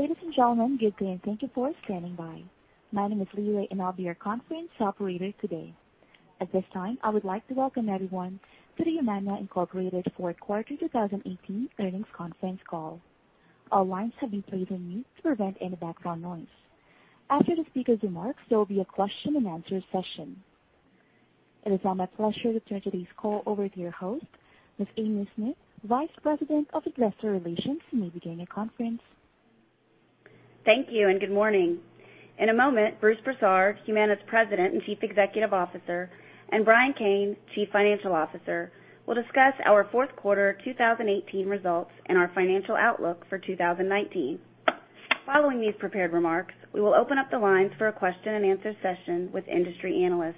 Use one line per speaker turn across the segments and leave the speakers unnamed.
Ladies and gentlemen, good day and thank you for standing by. My name is Leray, and I will be your conference operator today. At this time, I would like to welcome everyone to the Humana Inc. Fourth Quarter 2018 Earnings Conference Call. All lines have been placed on mute to prevent any background noise. After the speaker's remarks, there will be a question and answer session. It is now my pleasure to turn today's call over to your host, Ms. Amy Smith, Vice President of Investor Relations. You may begin your conference.
Thank you, good morning. In a moment, Bruce Broussard, Humana's President and Chief Executive Officer, and Brian Kane, Chief Financial Officer, will discuss our fourth quarter 2018 results and our financial outlook for 2019. Following these prepared remarks, we will open up the lines for a question and answer session with industry analysts.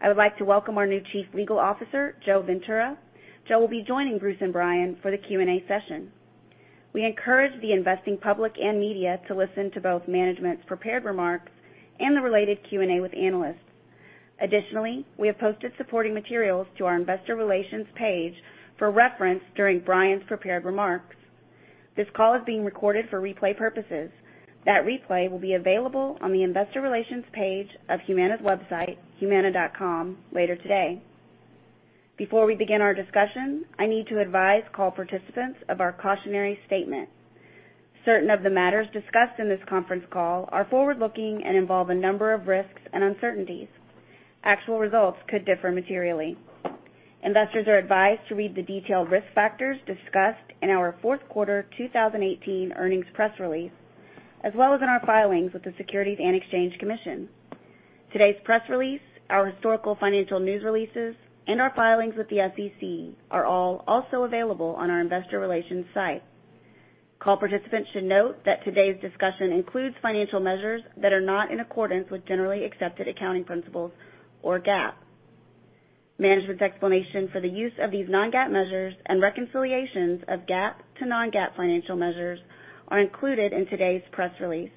I would like to welcome our new Chief Legal Officer, Joseph Ventura. Joe will be joining Bruce and Brian for the Q&A session. We encourage the investing public and media to listen to both management's prepared remarks and the related Q&A with analysts. Additionally, we have posted supporting materials to our investor relations page for reference during Brian's prepared remarks. This call is being recorded for replay purposes. That replay will be available on the investor relations page of humana's website, humana.com later today. Before we begin our discussion, I need to advise call participants of our cautionary statement. Certain of the matters discussed in this conference call are forward-looking and involve a number of risks and uncertainties. Actual results could differ materially. Investors are advised to read the detailed risk factors discussed in our fourth quarter 2018 earnings press release, as well as in our filings with the Securities and Exchange Commission. Today's press release, our historical financial news releases, and our filings with the SEC are all also available on our investor relations site. Call participants should note that today's discussion includes financial measures that are not in accordance with generally accepted accounting principles, or GAAP. Management's explanation for the use of these non-GAAP measures and reconciliations of GAAP to non-GAAP financial measures are included in today's press release.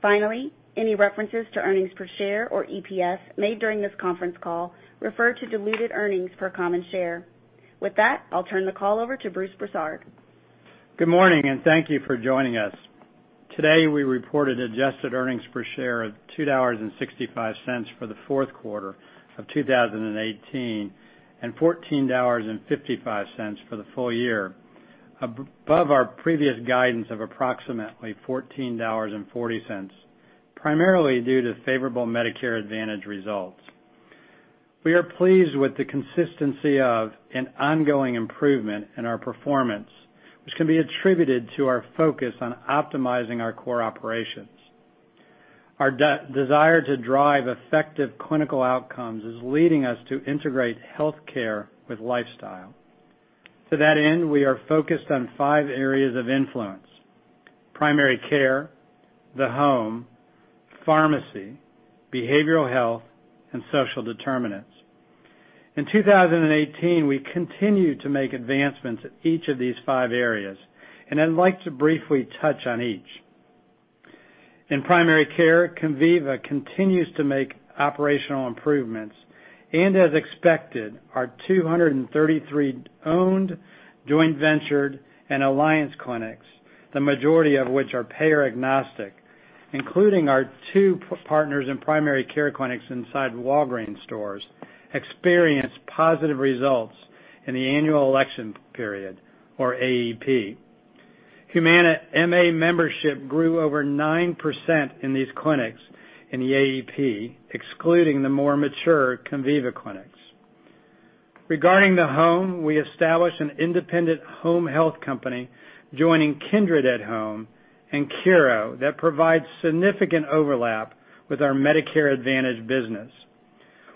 Finally, any references to earnings per share or EPS made during this conference call refer to diluted earnings per common share. With that, I will turn the call over to Bruce Broussard.
Good morning, and thank you for joining us. Today, we reported adjusted earnings per share of $2.65 for the fourth quarter of 2018, and $14.55 for the full year. Above our previous guidance of approximately $14.40, primarily due to favorable Medicare Advantage results. We are pleased with the consistency of an ongoing improvement in our performance, which can be attributed to our focus on optimizing our core operations. Our desire to drive effective clinical outcomes is leading us to integrate healthcare with lifestyle. To that end, we are focused on five areas of influence. Primary care, the home, pharmacy, behavioral health, and social determinants. In 2018, we continued to make advancements in each of these five areas, and I'd like to briefly touch on each. In primary care, Conviva continues to make operational improvements. As expected, our 233 owned, joint ventured, and alliance clinics, the majority of which are payer agnostic, including our two partners in primary care clinics inside Walgreens stores, experienced positive results in the annual election period or AEP. Humana MA membership grew over 9% in these clinics in the AEP, excluding the more mature Conviva clinics. Regarding the home, we established an independent home health company, joining Kindred at Home and Curo, that provides significant overlap with our Medicare Advantage business.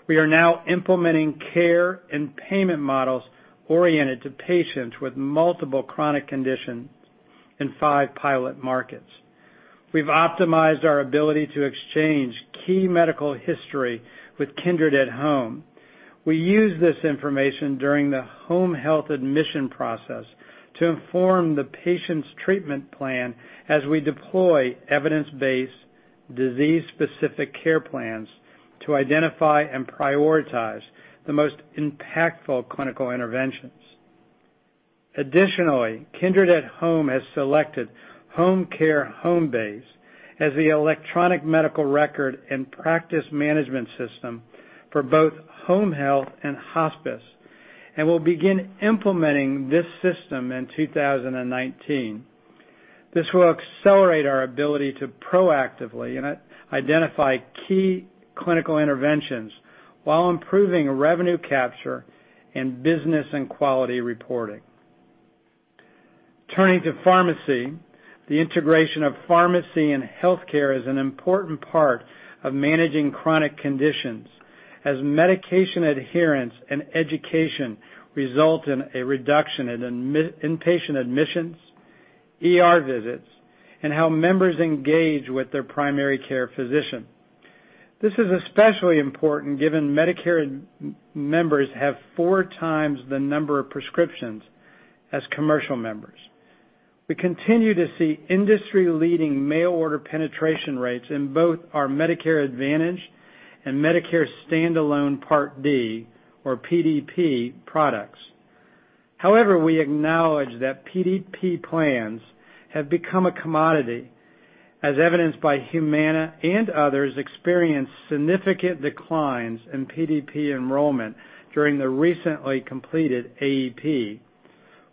We are now implementing care and payment models oriented to patients with multiple chronic conditions in five pilot markets. We've optimized our ability to exchange key medical history with Kindred at Home. We use this information during the home health admission process to inform the patient's treatment plan as we deploy evidence-based, disease-specific care plans to identify and prioritize the most impactful clinical interventions. Additionally, Kindred at Home has selected HomeCare HomeBase as the electronic medical record and practice management system for both home health and hospice and will begin implementing this system in 2019. This will accelerate our ability to proactively identify key clinical interventions while improving revenue capture in business and quality reporting. Turning to pharmacy, the integration of pharmacy and healthcare is an important part of managing chronic conditions as medication adherence and education result in a reduction in inpatient admissions, ER visits, and how members engage with their primary care physician. This is especially important given Medicare members have four times the number of prescriptions as commercial members. We continue to see industry-leading mail-order penetration rates in both our Medicare Advantage and Medicare standalone Part B or PDP products. However, we acknowledge that PDP plans have become a commodity, as evidenced by Humana and others experienced significant declines in PDP enrollment during the recently completed AEP,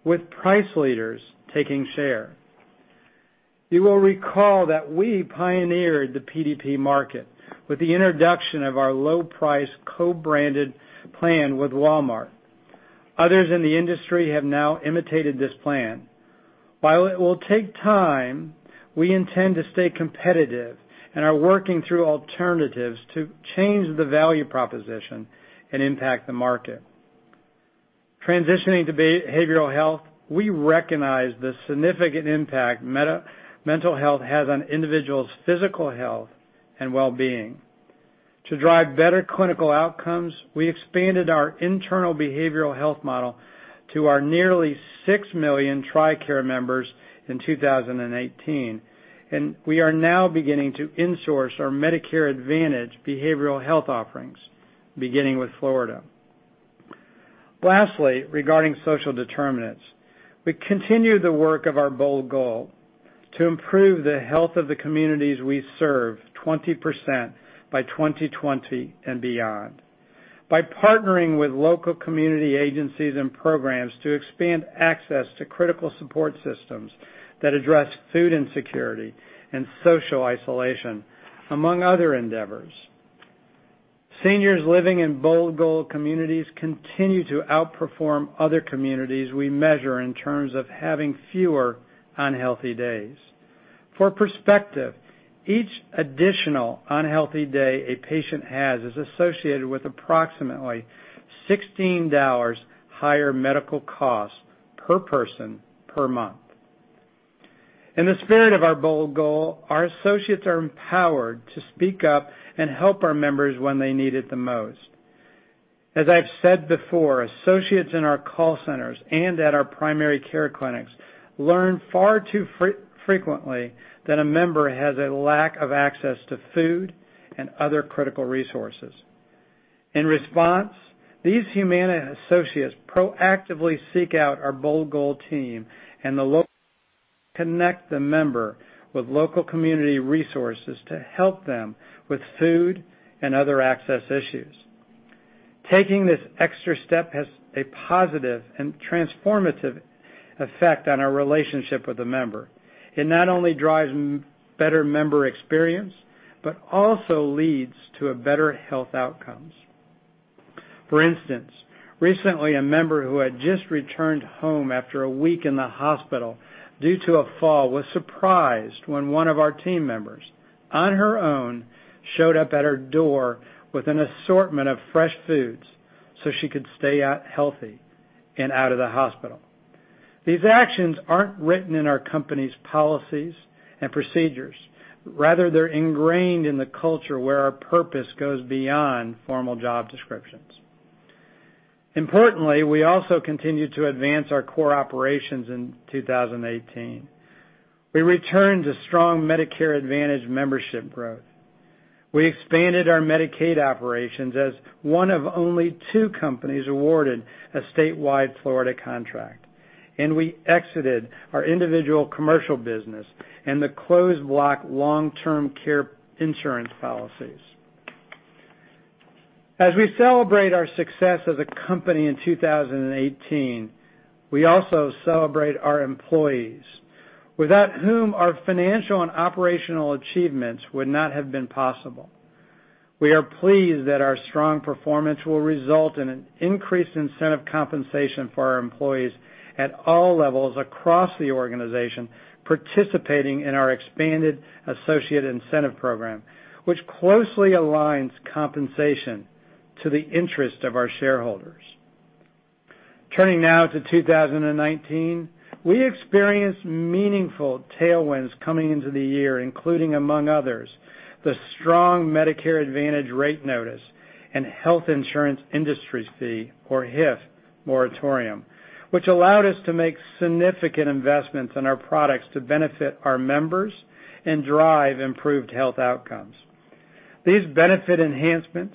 with price leaders taking share. You will recall that we pioneered the PDP market with the introduction of our low price co-branded plan with Walmart. Others in the industry have now imitated this plan. While it will take time, we intend to stay competitive and are working through alternatives to change the value proposition and impact the market. Transitioning to behavioral health, we recognize the significant impact mental health has on individuals' physical health and wellbeing. To drive better clinical outcomes, we expanded our internal behavioral health model to our nearly six million TRICARE members in 2018, and we are now beginning to insource our Medicare Advantage behavioral health offerings, beginning with Florida. Lastly, regarding social determinants, we continue the work of our Bold Goal to improve the health of the communities we serve 20% by 2020 and beyond. By partnering with local community agencies and programs to expand access to critical support systems that address food insecurity and social isolation among other endeavors. Seniors living in Bold Goal communities continue to outperform other communities we measure in terms of having fewer unhealthy days. For perspective, each additional unhealthy day a patient has is associated with approximately $16 higher medical costs per person per month. In the spirit of our Bold Goal, our associates are empowered to speak up and help our members when they need it the most. As I've said before, associates in our call centers and at our primary care clinics learn far too frequently that a member has a lack of access to food and other critical resources. In response, these Humana associates proactively seek out our Bold Goal team and connect the member with local community resources to help them with food and other access issues. Taking this extra step has a positive and transformative effect on our relationship with the member. It not only drives better member experience, but also leads to better health outcomes. For instance, recently a member who had just returned home after a week in the hospital due to a fall was surprised when one of our team members, on her own, showed up at her door with an assortment of fresh foods so she could stay healthy and out of the hospital. These actions aren't written in our company's policies and procedures. Rather, they're ingrained in the culture where our purpose goes beyond formal job descriptions. Importantly, we also continue to advance our core operations in 2018. We returned to strong Medicare Advantage membership growth. We expanded our Medicaid operations as one of only two companies awarded a statewide Florida contract, and we exited our individual commercial business and the closed block long-term care insurance policies. As we celebrate our success as a company in 2018, we also celebrate our employees, without whom our financial and operational achievements would not have been possible. We are pleased that our strong performance will result in an increased incentive compensation for our employees at all levels across the organization participating in our expanded associate incentive program, which closely aligns compensation to the interest of our shareholders. Turning now to 2019, we experienced meaningful tailwinds coming into the year, including, among others, the strong Medicare Advantage rate notice and Health Insurance Industry Fee, or HIF, moratorium, which allowed us to make significant investments in our products to benefit our members and drive improved health outcomes. These benefit enhancements,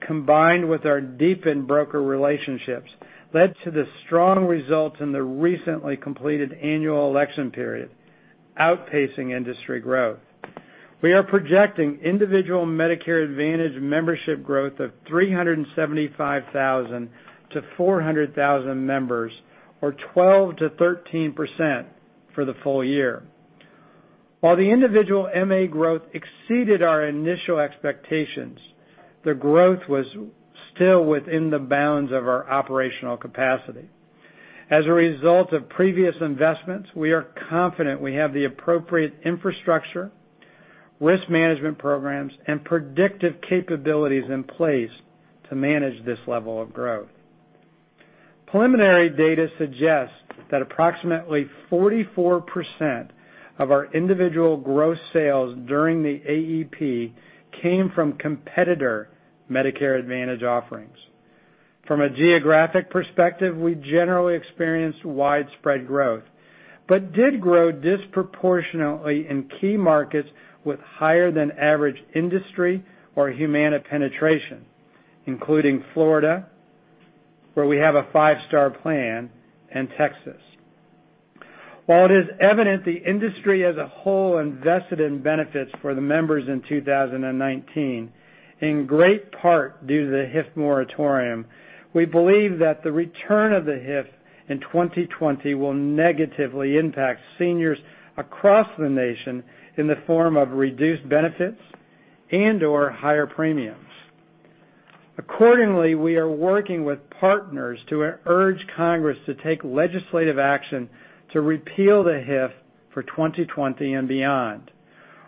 combined with our deepened broker relationships, led to the strong results in the recently completed annual election period, outpacing industry growth. We are projecting individual Medicare Advantage membership growth of 375,000-400,000 members, or 12%-13% for the full year. While the individual MA growth exceeded our initial expectations, the growth was still within the bounds of our operational capacity. As a result of previous investments, we are confident we have the appropriate infrastructure, risk management programs, and predictive capabilities in place to manage this level of growth. Preliminary data suggests that approximately 44% of our individual gross sales during the AEP came from competitor Medicare Advantage offerings. From a geographic perspective, we generally experienced widespread growth, but did grow disproportionately in key markets with higher than average industry or Humana penetration, including Florida, where we have a five-star plan, and Texas. While it is evident the industry as a whole invested in benefits for the members in 2019, in great part due to the HIF moratorium, we believe that the return of the HIF in 2020 will negatively impact seniors across the nation in the form of reduced benefits and/or higher premiums. Accordingly, we are working with partners to urge Congress to take legislative action to repeal the HIF for 2020 and beyond.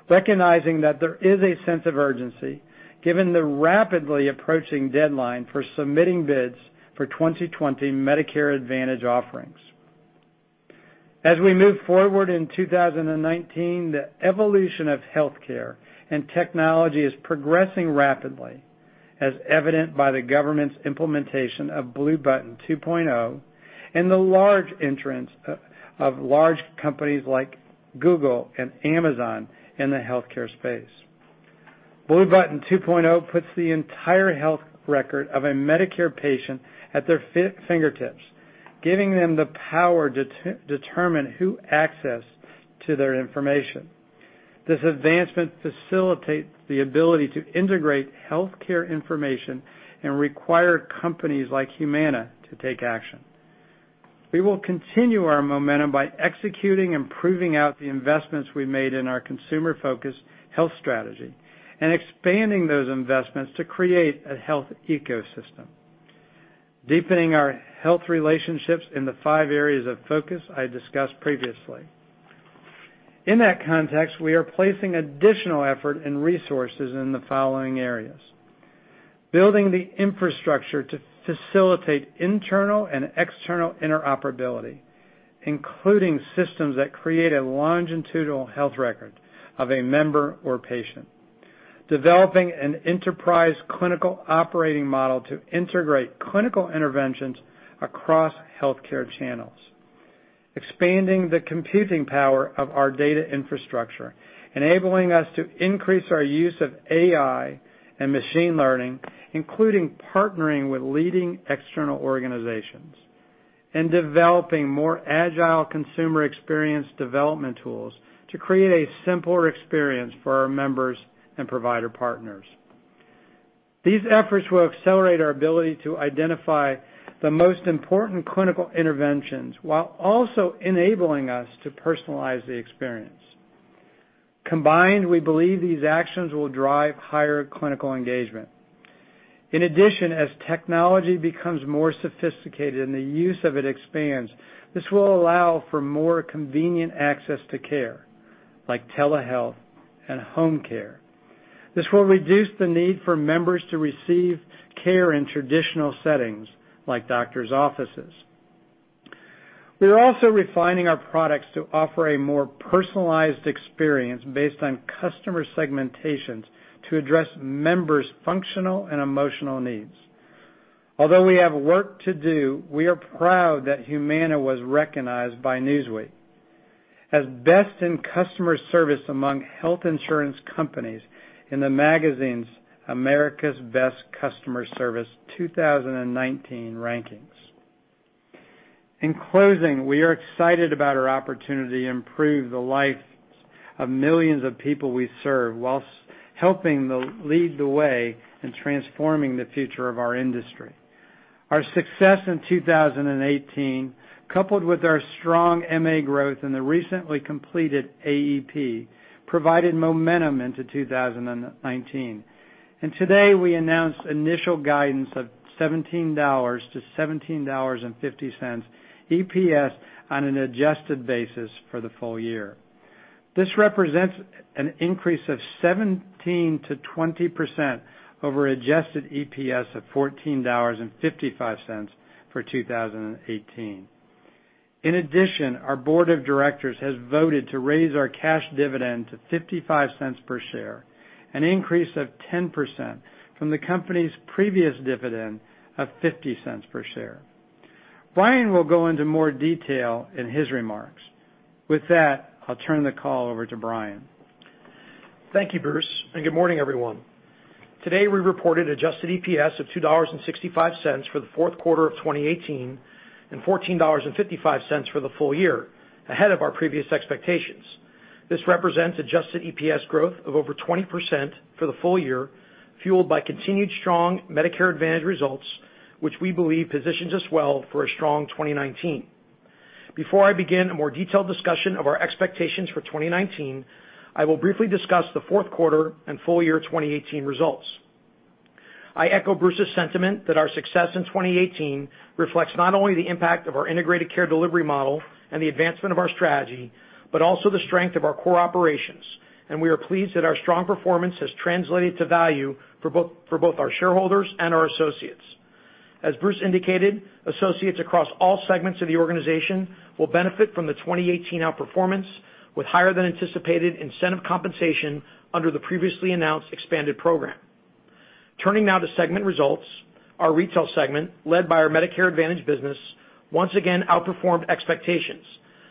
Recognizing that there is a sense of urgency given the rapidly approaching deadline for submitting bids for 2020 Medicare Advantage offerings. As we move forward in 2019, the evolution of healthcare and technology is progressing rapidly, as evident by the government's implementation of Blue Button 2.0 and the large entrance of large companies like Google and Amazon in the healthcare space. Blue Button 2.0 puts the entire health record of a Medicare patient at their fingertips, giving them the power to determine who access to their information. This advancement facilitates the ability to integrate healthcare information and require companies like Humana to take action. We will continue our momentum by executing and proving out the investments we made in our consumer-focused health strategy and expanding those investments to create a health ecosystem, deepening our health relationships in the five areas of focus I discussed previously. In that context, we are placing additional effort and resources in the following areas. Building the infrastructure to facilitate internal and external interoperability, including systems that create a longitudinal health record of a member or patient. Developing an enterprise clinical operating model to integrate clinical interventions across healthcare channels. Expanding the computing power of our data infrastructure, enabling us to increase our use of AI and machine learning, including partnering with leading external organizations. Developing more agile consumer experience development tools to create a simpler experience for our members and provider partners. These efforts will accelerate our ability to identify the most important clinical interventions while also enabling us to personalize the experience. Combined, we believe these actions will drive higher clinical engagement. In addition, as technology becomes more sophisticated and the use of it expands, this will allow for more convenient access to care, like telehealth and home care. This will reduce the need for members to receive care in traditional settings like doctor's offices. We are also refining our products to offer a more personalized experience based on customer segmentations to address members' functional and emotional needs. Although we have work to do, we are proud that Humana was recognized by Newsweek as best in customer service among health insurance companies in the magazine's America's Best Customer Service 2019 rankings. In closing, we are excited about our opportunity to improve the lives of millions of people we serve whilst helping lead the way in transforming the future of our industry. Our success in 2018, coupled with our strong MA growth in the recently completed AEP, provided momentum into 2019. Today, we announced initial guidance of $17-$17.50 EPS on an adjusted basis for the full year. This represents an increase of 17%-20% over adjusted EPS of $14.55 for 2018. In addition, our board of directors has voted to raise our cash dividend to $0.55 per share, an increase of 10% from the company's previous dividend of $0.50 per share. Brian will go into more detail in his remarks. With that, I'll turn the call over to Brian.
Thank you, Bruce, and good morning, everyone. Today, we reported adjusted EPS of $2.65 for the fourth quarter of 2018, and $14.55 for the full year, ahead of our previous expectations. This represents adjusted EPS growth of over 20% for the full year, fueled by continued strong Medicare Advantage results, which we believe positions us well for a strong 2019. Before I begin a more detailed discussion of our expectations for 2019, I will briefly discuss the fourth quarter and full year 2018 results. I echo Bruce's sentiment that our success in 2018 reflects not only the impact of our integrated care delivery model and the advancement of our strategy, but also the strength of our core operations, and we are pleased that our strong performance has translated to value for both our shareholders and our associates. As Bruce indicated, associates across all segments of the organization will benefit from the 2018 outperformance with higher than anticipated incentive compensation under the previously announced expanded program. Turning now to segment results. Our retail segment, led by our Medicare Advantage business, once again outperformed expectations,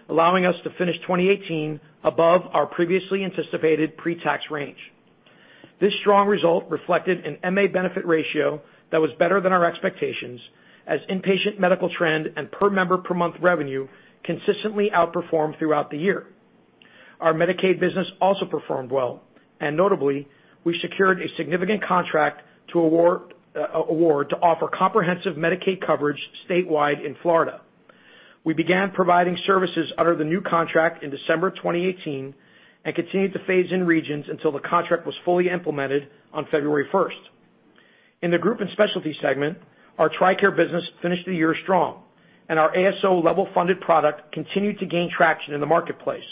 allowing us to finish 2018 above our previously anticipated pre-tax range. This strong result reflected an MA benefit ratio that was better than our expectations, as inpatient medical trend and per member per month revenue consistently outperformed throughout the year. Our Medicaid business also performed well, and notably, we secured a significant contract award to offer comprehensive Medicaid coverage statewide in Florida. We began providing services under the new contract in December 2018 and continued to phase in regions until the contract was fully implemented on February 1st. In the group and specialty segment, our TRICARE business finished the year strong and our ASO level funded product continued to gain traction in the marketplace.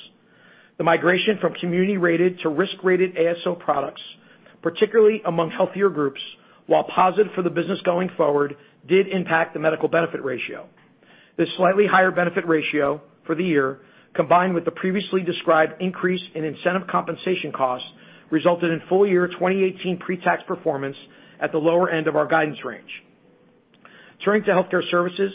The migration from community-rated to risk-rated ASO products, particularly among healthier groups, while positive for the business going forward, did impact the medical benefit ratio. This slightly higher benefit ratio for the year, combined with the previously described increase in incentive compensation costs, resulted in full-year 2018 pre-tax performance at the lower end of our guidance range. Turning to healthcare services,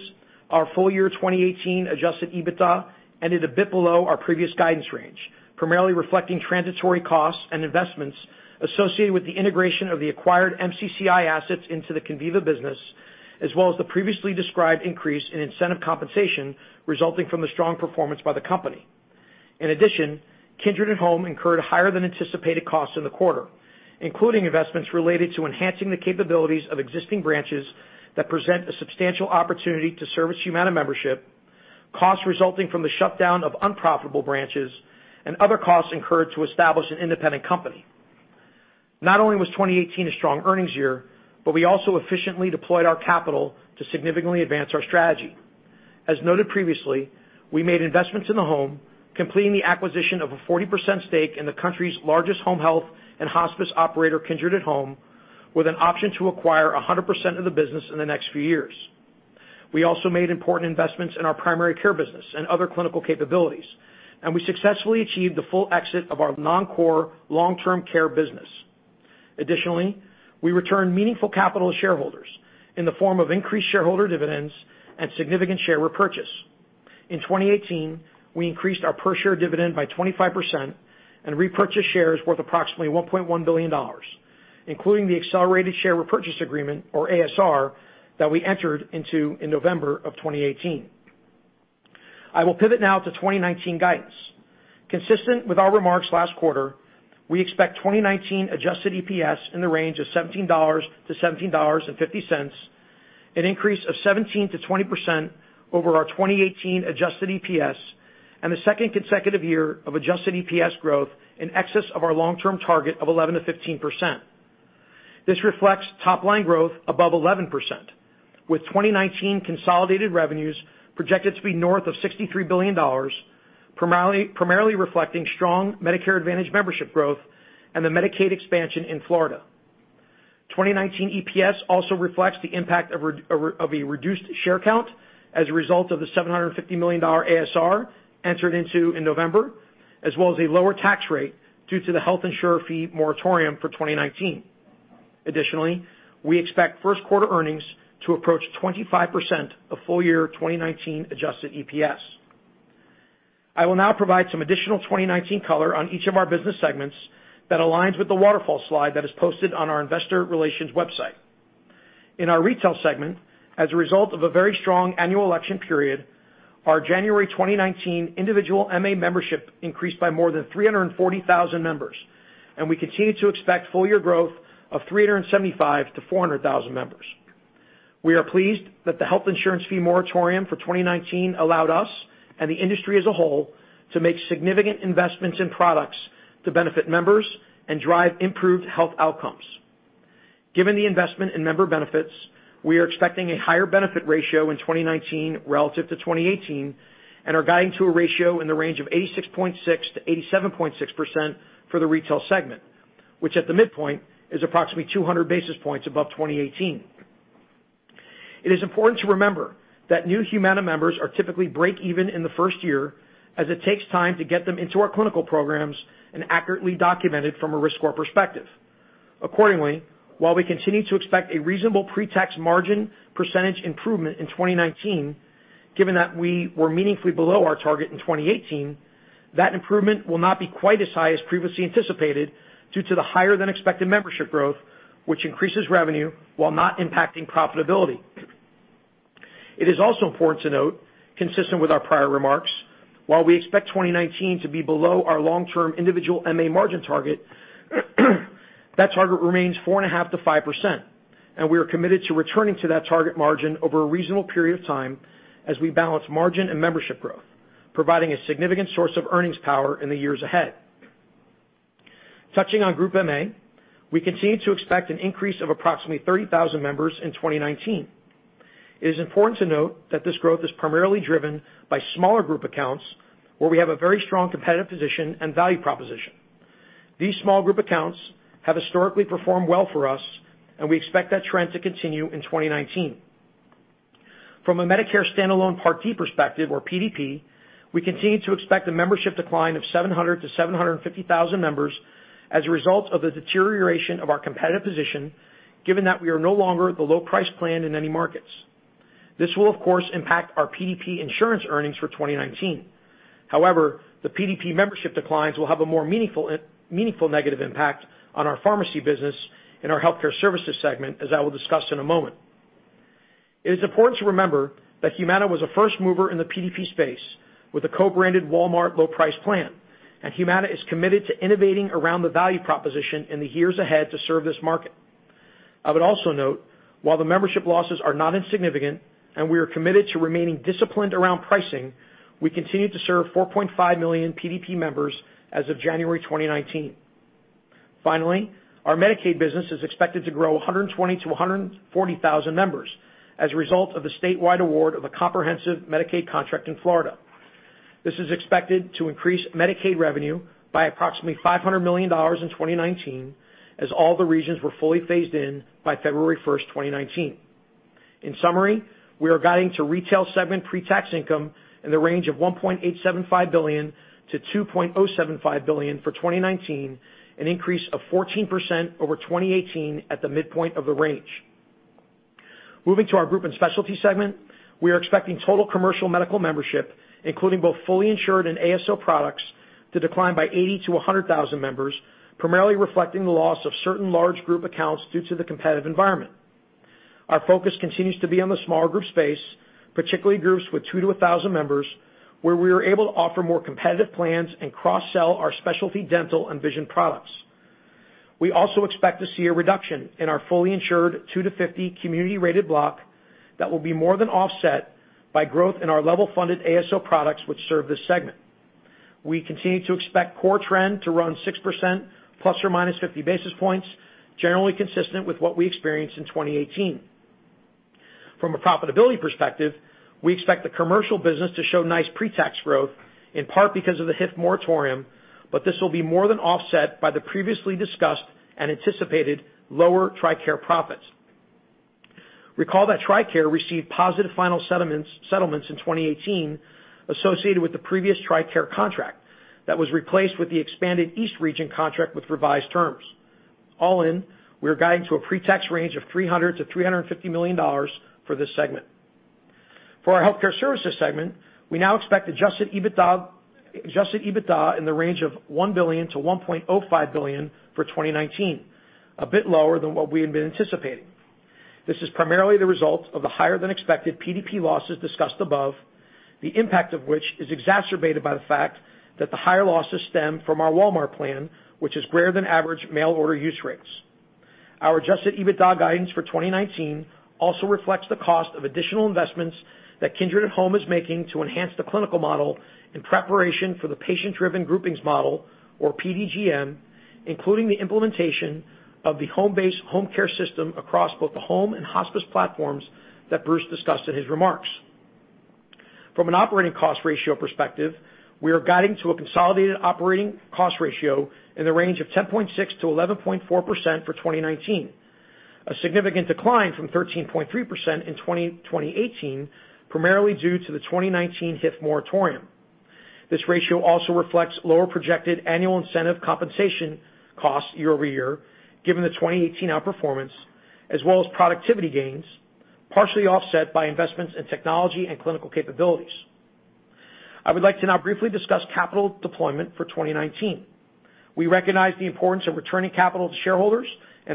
our full-year 2018 adjusted EBITDA ended a bit below our previous guidance range, primarily reflecting transitory costs and investments associated with the integration of the acquired MCCI assets into the Conviva business, as well as the previously described increase in incentive compensation resulting from the strong performance by the company. In addition, Kindred at Home incurred higher than anticipated costs in the quarter, including investments related to enhancing the capabilities of existing branches that present a substantial opportunity to service Humana membership, costs resulting from the shutdown of unprofitable branches, and other costs incurred to establish an independent company. Not only was 2018 a strong earnings year, but we also efficiently deployed our capital to significantly advance our strategy. As noted previously, we made investments in the home, completing the acquisition of a 40% stake in the country's largest home health and hospice operator, Kindred at Home, with an option to acquire 100% of the business in the next few years. We successfully achieved the full exit of our non-core long-term care business. Additionally, we returned meaningful capital to shareholders in the form of increased shareholder dividends and significant share repurchase. In 2018, we increased our per-share dividend by 25% and repurchased shares worth approximately $1.1 billion, including the accelerated share repurchase agreement, or ASR, that we entered into in November of 2018. I will pivot now to 2019 guidance. Consistent with our remarks last quarter, we expect 2019 adjusted EPS in the range of $17-$17.50, an increase of 17%-20% over our 2018 adjusted EPS, and the second consecutive year of adjusted EPS growth in excess of our long-term target of 11%-15%. This reflects top-line growth above 11%, with 2019 consolidated revenues projected to be north of $63 billion, primarily reflecting strong Medicare Advantage membership growth and the Medicaid expansion in Florida. 2019 EPS also reflects the impact of a reduced share count as a result of the $750 million ASR entered into in November, as well as a lower tax rate due to the health insurer fee moratorium for 2019. Additionally, we expect first quarter earnings to approach 25% of full-year 2019 adjusted EPS. I will now provide some additional 2019 color on each of our business segments that aligns with the waterfall slide that is posted on our investor relations website. In our retail segment, as a result of a very strong annual election period, our January 2019 individual MA membership increased by more than 340,000 members. We continue to expect full-year growth of 375,000-400,000 members. We are pleased that the health insurance fee moratorium for 2019 allowed us, and the industry as a whole, to make significant investments in products to benefit members and drive improved health outcomes. Given the investment in member benefits, we are expecting a higher benefit ratio in 2019 relative to 2018 and are guiding to a ratio in the range of 86.6%-87.6% for the retail segment, which at the midpoint is approximately 200 basis points above 2018. It is important to remember that new Humana members are typically break even in the first year, as it takes time to get them into our clinical programs and accurately documented from a risk score perspective. While we continue to expect a reasonable pre-tax margin percentage improvement in 2019, given that we were meaningfully below our target in 2018, that improvement will not be quite as high as previously anticipated due to the higher than expected membership growth, which increases revenue while not impacting profitability. It is also important to note, consistent with our prior remarks, while we expect 2019 to be below our long-term individual MA margin target, that target remains 4.5%-5%. We are committed to returning to that target margin over a reasonable period of time as we balance margin and membership growth, providing a significant source of earnings power in the years ahead. Touching on group MA, we continue to expect an increase of approximately 30,000 members in 2019. It is important to note that this growth is primarily driven by smaller group accounts where we have a very strong competitive position and value proposition. These small group accounts have historically performed well for us. We expect that trend to continue in 2019. From a Medicare standalone Part D perspective, or PDP, we continue to expect a membership decline of 700,000-750,000 members as a result of the deterioration of our competitive position, given that we are no longer the low price plan in any markets. This will, of course, impact our PDP insurance earnings for 2019. The PDP membership declines will have a more meaningful negative impact on our pharmacy business in our healthcare services segment, as I will discuss in a moment. It is important to remember that Humana was a first mover in the PDP space with a co-branded Walmart low price plan. Humana is committed to innovating around the value proposition in the years ahead to serve this market. I would also note, while the membership losses are not insignificant and we are committed to remaining disciplined around pricing, we continue to serve 4.5 million PDP members as of January 2019. Our Medicaid business is expected to grow 120,000-140,000 members as a result of the statewide award of a comprehensive Medicaid contract in Florida. This is expected to increase Medicaid revenue by approximately $500 million in 2019 as all the regions were fully phased in by February 1st, 2019. In summary, we are guiding to Retail segment pre-tax income in the range of $1.875 billion-$2.075 billion for 2019, an increase of 14% over 2018 at the midpoint of the range. Moving to our Group and Specialty segment, we are expecting total commercial medical membership, including both fully insured and ASO products, to decline by 80,000-100,000 members, primarily reflecting the loss of certain large group accounts due to the competitive environment. Our focus continues to be on the smaller group space, particularly groups with 2-1,000 members, where we are able to offer more competitive plans and cross-sell our specialty dental and vision products. We also expect to see a reduction in our fully insured 2-50 community rated block that will be more than offset by growth in our level funded ASO products which serve this segment. We continue to expect core trend to run 6%, ±50 basis points, generally consistent with what we experienced in 2018. From a profitability perspective, we expect the commercial business to show nice pre-tax growth, in part because of the HIF moratorium, but this will be more than offset by the previously discussed and anticipated lower TRICARE profits. Recall that TRICARE received positive final settlements in 2018 associated with the previous TRICARE contract that was replaced with the expanded East Region contract with revised terms. All in, we are guiding to a pre-tax range of $300 million-$350 million for this segment. For our Healthcare Services segment, we now expect adjusted EBITDA in the range of $1 billion-$1.05 billion for 2019, a bit lower than what we had been anticipating. This is primarily the result of the higher than expected PDP losses discussed above, the impact of which is exacerbated by the fact that the higher losses stem from our Walmart plan, which has greater than average mail order use rates. Our adjusted EBITDA guidance for 2019 also reflects the cost of additional investments that Kindred at Home is making to enhance the clinical model in preparation for the Patient-Driven Groupings Model, or PDGM, including the implementation of the HomeCare HomeBase across both the home and hospice platforms that Bruce discussed in his remarks. From an operating cost ratio perspective, we are guiding to a consolidated operating cost ratio in the range of 10.6%-11.4% for 2019, a significant decline from 13.3% in 2018, primarily due to the 2019 HIF moratorium. This ratio also reflects lower projected annual incentive compensation costs year-over-year, given the 2018 outperformance, as well as productivity gains, partially offset by investments in technology and clinical capabilities. I would like to now briefly discuss capital deployment for 2019.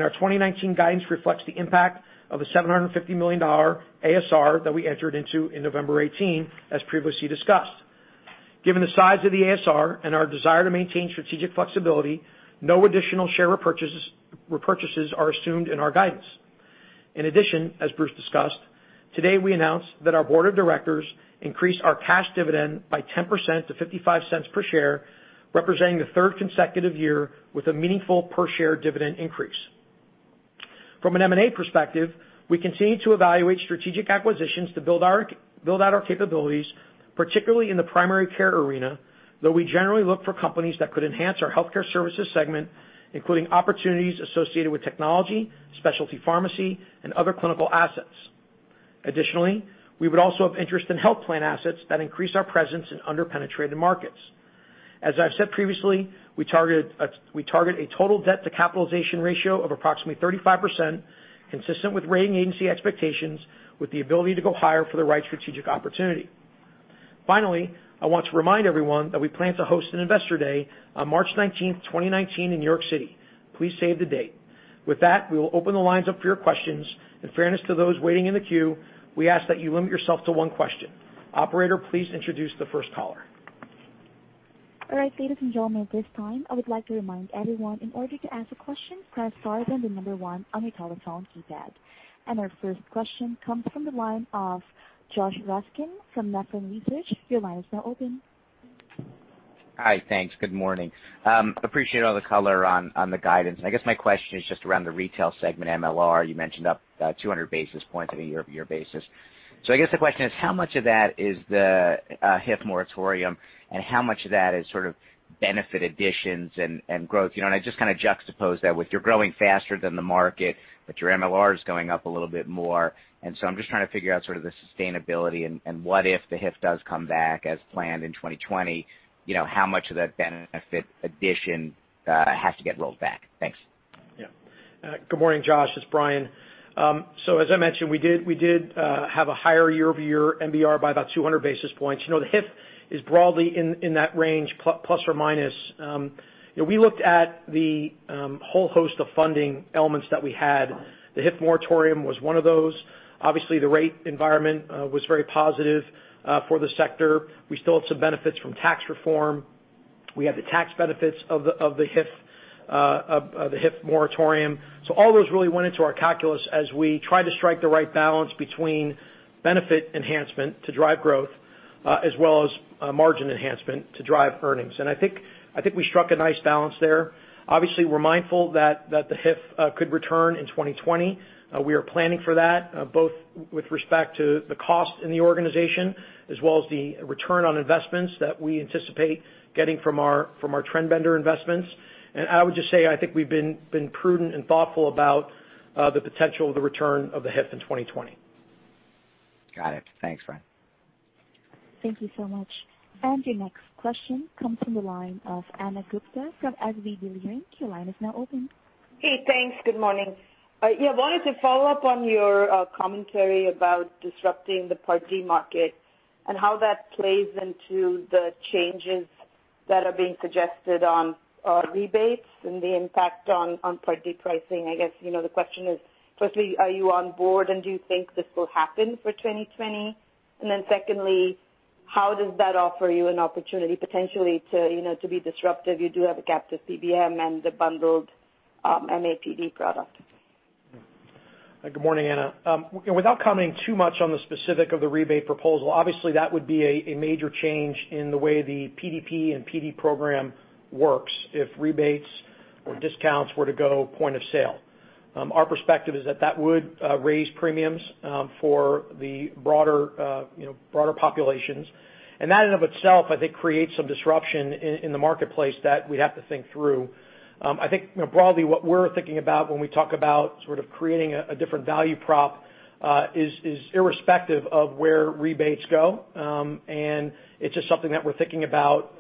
Our 2019 guidance reflects the impact of a $750 million ASR that we entered into in November 2018, as previously discussed. Given the size of the ASR and our desire to maintain strategic flexibility, no additional share repurchases are assumed in our guidance. In addition, as Bruce discussed, today we announced that our board of directors increased our cash dividend by 10% to $0.55 per share, representing the third consecutive year with a meaningful per share dividend increase. From an M&A perspective, we continue to evaluate strategic acquisitions to build out our capabilities, particularly in the primary care arena, though we generally look for companies that could enhance our healthcare services segment, including opportunities associated with technology, specialty pharmacy, and other clinical assets. Additionally, we would also have interest in health plan assets that increase our presence in under-penetrated markets. As I've said previously, we target a total debt to capitalization ratio of approximately 35%, consistent with rating agency expectations, with the ability to go higher for the right strategic opportunity. Finally, I want to remind everyone that we plan to host an investor day on March 19th, 2019, in New York City. Please save the date. We will open the lines up for your questions. In fairness to those waiting in the queue, we ask that you limit yourself to one question. Operator, please introduce the first caller.
Ladies and gentlemen, at this time, I would like to remind everyone, in order to ask a question, press star, then the number one on your telephone keypad. Our first question comes from the line of Joshua Raskin from Nephron Research. Your line is now open.
Hi. Thanks. Good morning. Appreciate all the color on the guidance. I guess my question is just around the retail segment MLR. You mentioned up 200 basis points on a year-over-year basis. I guess the question is, how much of that is the HIF moratorium and how much of that is sort of benefit additions and growth? I just kind of juxtapose that with you're growing faster than the market, but your MLR is going up a little bit more. I'm just trying to figure out sort of the sustainability and what if the HIF does come back as planned in 2020, how much of that benefit addition has to get rolled back? Thanks.
Good morning, Josh. It's Brian. As I mentioned, we did have a higher year-over-year MBR by about 200 basis points. The HIF is broadly in that range, plus or minus. We looked at the whole host of funding elements that we had. The HIF moratorium was one of those. Obviously, the rate environment was very positive for the sector. We still have some benefits from tax reform. We have the tax benefits of the HIF moratorium. All those really went into our calculus as we try to strike the right balance between benefit enhancement to drive growth, as well as margin enhancement to drive earnings. I think we struck a nice balance there. Obviously, we're mindful that the HIF could return in 2020. We are planning for that, both with respect to the cost in the organization, as well as the return on investments that we anticipate getting from our trend bender investments. I would just say, I think we've been prudent and thoughtful about the potential of the return of the HIF in 2020.
Got it. Thanks, Brian.
Thank you so much. Your next question comes from the line of Ana Gupte from SVB Leerink. Your line is now open.
Hey, thanks. Good morning. Yeah, I wanted to follow up on your commentary about disrupting the Part D market and how that plays into the changes that are being suggested on rebates and the impact on Part D pricing. I guess, the question is, firstly, are you on board, and do you think this will happen for 2020? Secondly, how does that offer you an opportunity potentially to be disruptive? You do have a captive PBM and the bundled MAPD product.
Good morning, Ana. Without commenting too much on the specific of the rebate proposal, obviously, that would be a major change in the way the PDP and Part D program works if rebates or discounts were to go point of sale. Our perspective is that that would raise premiums for the broader populations. That in of itself, I think, creates some disruption in the marketplace that we'd have to think through. I think broadly what we're thinking about when we talk about sort of creating a different value prop, is irrespective of where rebates go. It's just something that we're thinking about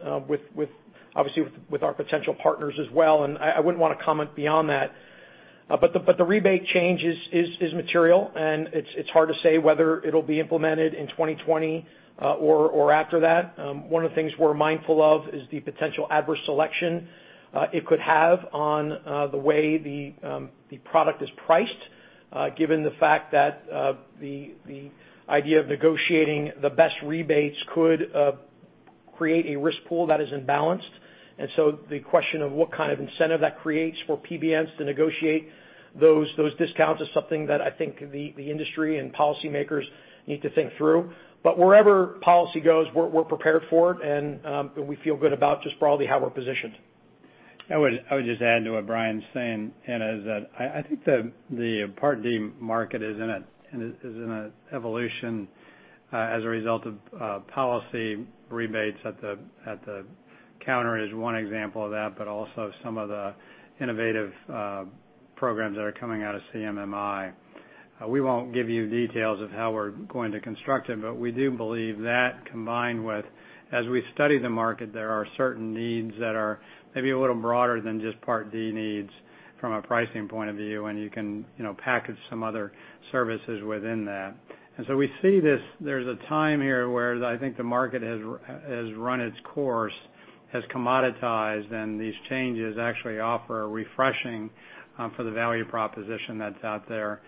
obviously with our potential partners as well, and I wouldn't want to comment beyond that. The rebate change is material, and it's hard to say whether it will be implemented in 2020 or after that. One of the things we're mindful of is the potential adverse selection it could have on the way the product is priced, given the fact that the idea of negotiating the best rebates could create a risk pool that is imbalanced. The question of what kind of incentive that creates for PBMs to negotiate those discounts is something that I think the industry and policymakers need to think through. Wherever policy goes, we're prepared for it, and we feel good about just broadly how we're positioned.
I would just add to what Brian's saying, Ana, is that I think the Part D market is in an evolution as a result of policy rebates at the counter is one example of that, but also some of the innovative programs that are coming out of CMMI. We won't give you details of how we're going to construct it, but we do believe that combined with, as we study the market, there are certain needs that are maybe a little broader than just Part D needs from a pricing point of view, and you can package some other services within that. We see there's a time here where I think the market has run its course, has commoditized, and these changes actually offer a refreshing for the value proposition that's out there.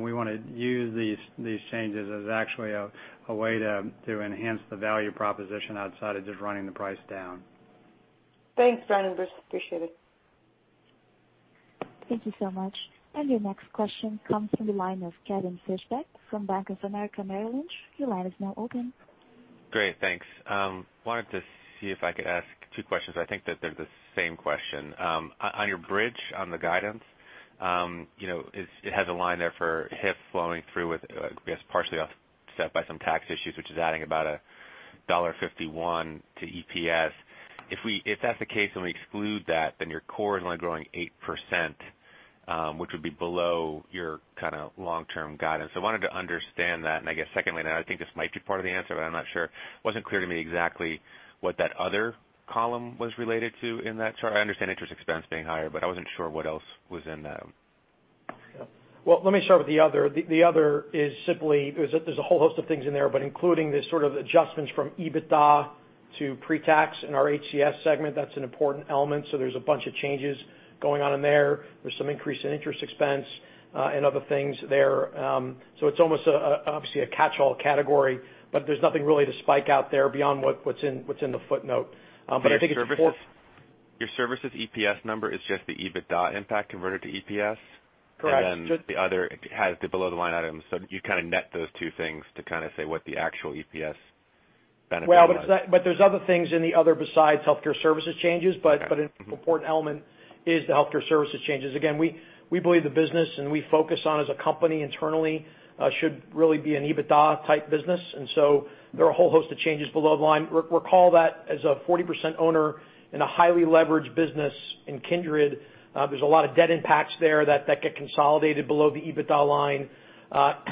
We want to use these changes as actually a way to enhance the value proposition outside of just running the price down.
Thanks, Brian and Bruce. Appreciate it.
Thank you so much. Your next question comes from the line of Kevin Fischbeck from Bank of America Merrill Lynch. Your line is now open.
Great. Thanks. Wanted to see if I could ask two questions. I think that they're the same question. On your bridge, on the guidance, it has a line there for HIF flowing through with, I guess, partially offset by some tax issues, which is adding about $1.51 to EPS. If that's the case, when we exclude that, then your core is only growing 8%, which would be below your kind of long-term guidance. Wanted to understand that, and I guess secondly, I think this might be part of the answer, but I'm not sure. Wasn't clear to me exactly what that other column was related to in that. Sorry, I understand interest expense being higher, but I wasn't sure what else was in that.
Let me start with the other. The other is simply, there's a whole host of things in there, but including the sort of adjustments from EBITDA to pre-tax in our HCS segment, that's an important element. There's a bunch of changes going on in there. There's some increase in interest expense, and other things there. It's almost, obviously, a catchall category, but there's nothing really to spike out there beyond what's in the footnote. I think it's important.
Your services EPS number is just the EBITDA impact converted to EPS?
Correct.
The other has the below the line items. You kind of net those two things to kind of say what the actual EPS benefit was.
There's other things in the other besides healthcare services changes. An important element is the healthcare services changes. Again, we believe the business, and we focus on as a company internally, should really be an EBITDA type business. There are a whole host of changes below the line. Recall that as a 40% owner in a highly leveraged business in Kindred, there's a lot of debt impacts there that get consolidated below the EBITDA line.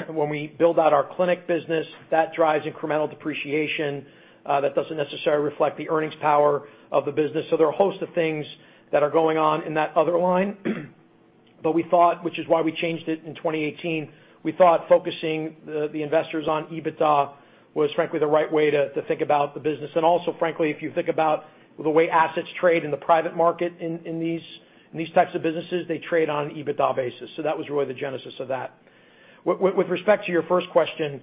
When we build out our clinic business, that drives incremental depreciation, that doesn't necessarily reflect the earnings power of the business. There are a host of things that are going on in that other line. But we thought, which is why we changed it in 2018, we thought focusing the investors on EBITDA was frankly the right way to think about the business. Frankly, if you think about the way assets trade in the private market in these types of businesses, they trade on an EBITDA basis. That was really the genesis of that. With respect to your first question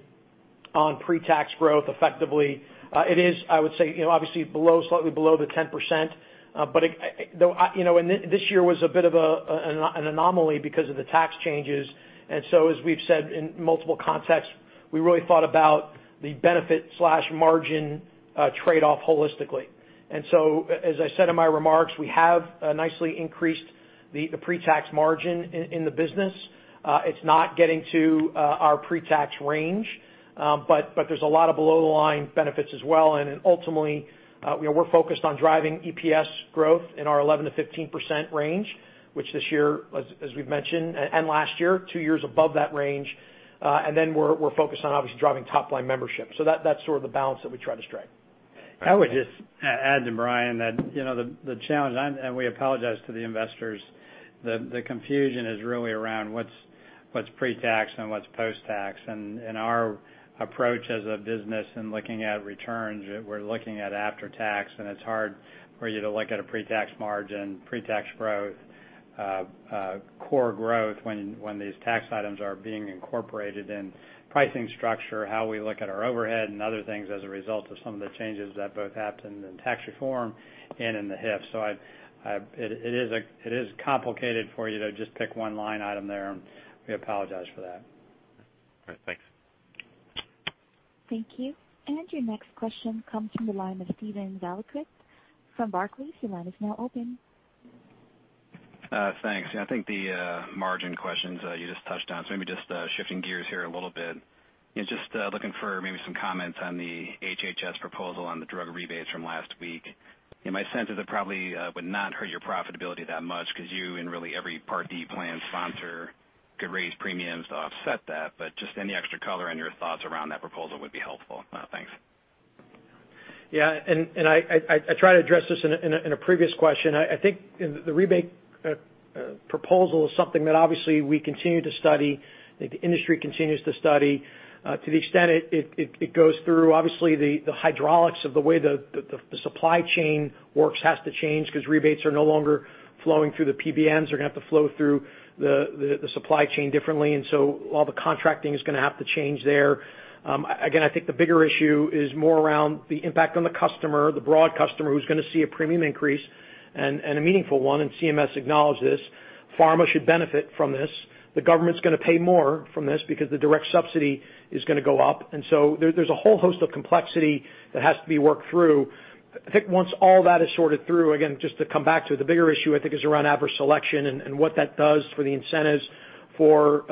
on pre-tax growth, effectively, it is, I would say, obviously slightly below the 10%, but this year was a bit of an anomaly because of the tax changes. As we've said in multiple contexts, we really thought about the benefit/margin trade-off holistically. As I said in my remarks, we have nicely increased the pre-tax margin in the business. It's not getting to our pre-tax range. There's a lot of below-the-line benefits as well. Ultimately, we're focused on driving EPS growth in our 11%-15% range, which this year, as we've mentioned, last year, two years above that range. Then we're focused on obviously driving top-line membership. That's sort of the balance that we try to strike.
I would just add to Brian that the challenge. We apologize to the investors. The confusion is really around what's pre-tax and what's post-tax. Our approach as a business in looking at returns, we're looking at after tax. It's hard for you to look at a pre-tax margin, pre-tax growth, core growth when these tax items are being incorporated in pricing structure, how we look at our overhead and other things as a result of some of the changes that both happened in tax reform and in the HIF. It is complicated for you to just pick one line item there. We apologize for that.
All right. Thanks.
Thank you. Your next question comes from the line of Steven Valiquette with Barclays. Your line is now open.
Thanks. I think the margin questions you just touched on. Maybe just shifting gears here a little bit. Just looking for maybe some comments on the HHS proposal on the drug rebates from last week. My sense is it probably would not hurt your profitability that much because you and really every Part D plan sponsor could raise premiums to offset that. Just any extra color on your thoughts around that proposal would be helpful. Thanks.
Yeah. I tried to address this in a previous question. I think the rebate proposal is something that obviously we continue to study, the industry continues to study. To the extent it goes through, obviously the hydraulics of the way the supply chain works has to change because rebates are no longer flowing through the PBMs. They're going to have to flow through the supply chain differently, all the contracting is going to have to change there. Again, I think the bigger issue is more around the impact on the customer, the broad customer, who's going to see a premium increase and a meaningful one, CMS acknowledges this. Pharma should benefit from this. The government's going to pay more from this because the direct subsidy is going to go up, there's a whole host of complexity that has to be worked through. I think once all that is sorted through, again, just to come back to the bigger issue, I think is around adverse selection and what that does for the incentives for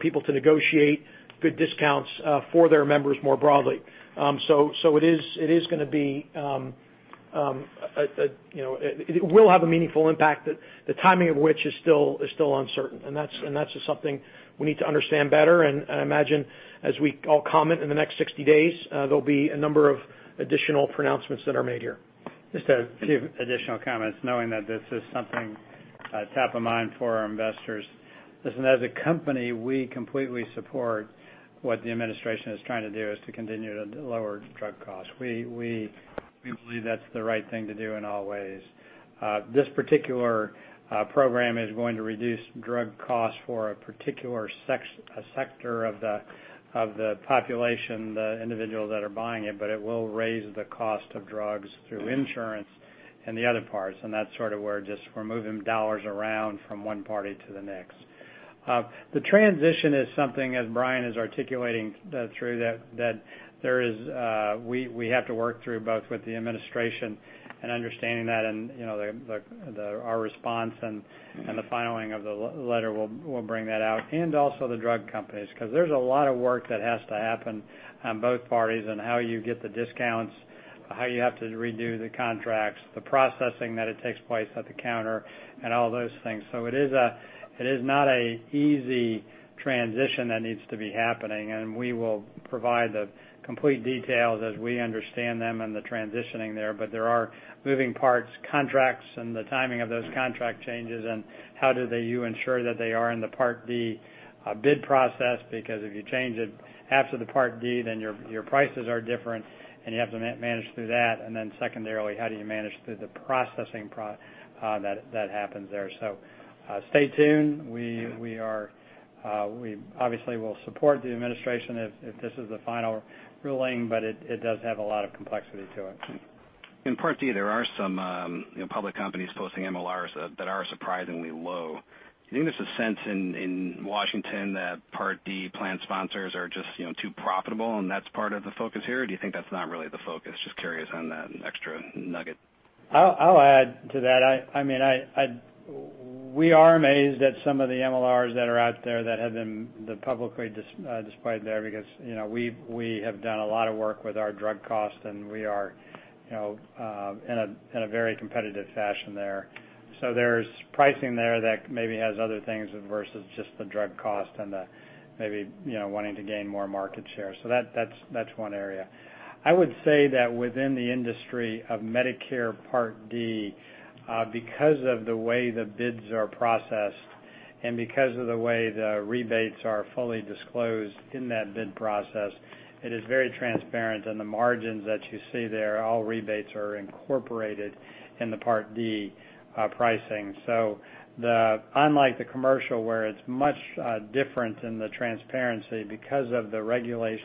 people to negotiate good discounts for their members more broadly. It will have a meaningful impact, the timing of which is still uncertain, and that's just something we need to understand better, I imagine as we all comment in the next 60 days, there'll be a number of additional pronouncements that are made here.
Just a few additional comments, knowing that this is something top of mind for our investors. Listen, as a company, we completely support what the administration is trying to do, is to continue to lower drug costs. We believe that's the right thing to do in all ways. This particular program is going to reduce drug costs for a particular sector of the population, the individuals that are buying it will raise the cost of drugs through insurance and the other parts, and that's sort of where just we're moving dollars around from one party to the next. The transition is something, as Brian is articulating through, that we have to work through both with the administration and understanding that and our response and the filing of the letter will bring that out, and also the drug companies. There's a lot of work that has to happen on both parties on how you get the discounts, how you have to redo the contracts, the processing that it takes place at the counter, and all those things. It is not an easy transition that needs to be happening, and we will provide the complete details as we understand them and the transitioning there. There are moving parts, contracts, and the timing of those contract changes, and how do you ensure that they are in the Part D bid process? If you change it after the Part D, then your prices are different and you have to manage through that. Secondarily, how do you manage through the processing that happens there? Stay tuned. We obviously will support the administration if this is the final ruling, it does have a lot of complexity to it.
In Part D, there are some public companies posting MLRs that are surprisingly low. Do you think there's a sense in Washington that Part D plan sponsors are just too profitable and that's part of the focus here? Do you think that's not really the focus? Just curious on that extra nugget.
I'll add to that. We are amazed at some of the MLRs that are out there that have been publicly displayed there because we have done a lot of work with our drug costs, and we are in a very competitive fashion there. There's pricing there that maybe has other things versus just the drug cost and the maybe wanting to gain more market share. That's one area. I would say that within the industry of Medicare Part D, because of the way the bids are processed and because of the way the rebates are fully disclosed in that bid process, it is very transparent, and the margins that you see there, all rebates are incorporated in the Part D pricing. Unlike the commercial, where it's much different in the transparency because of the regulations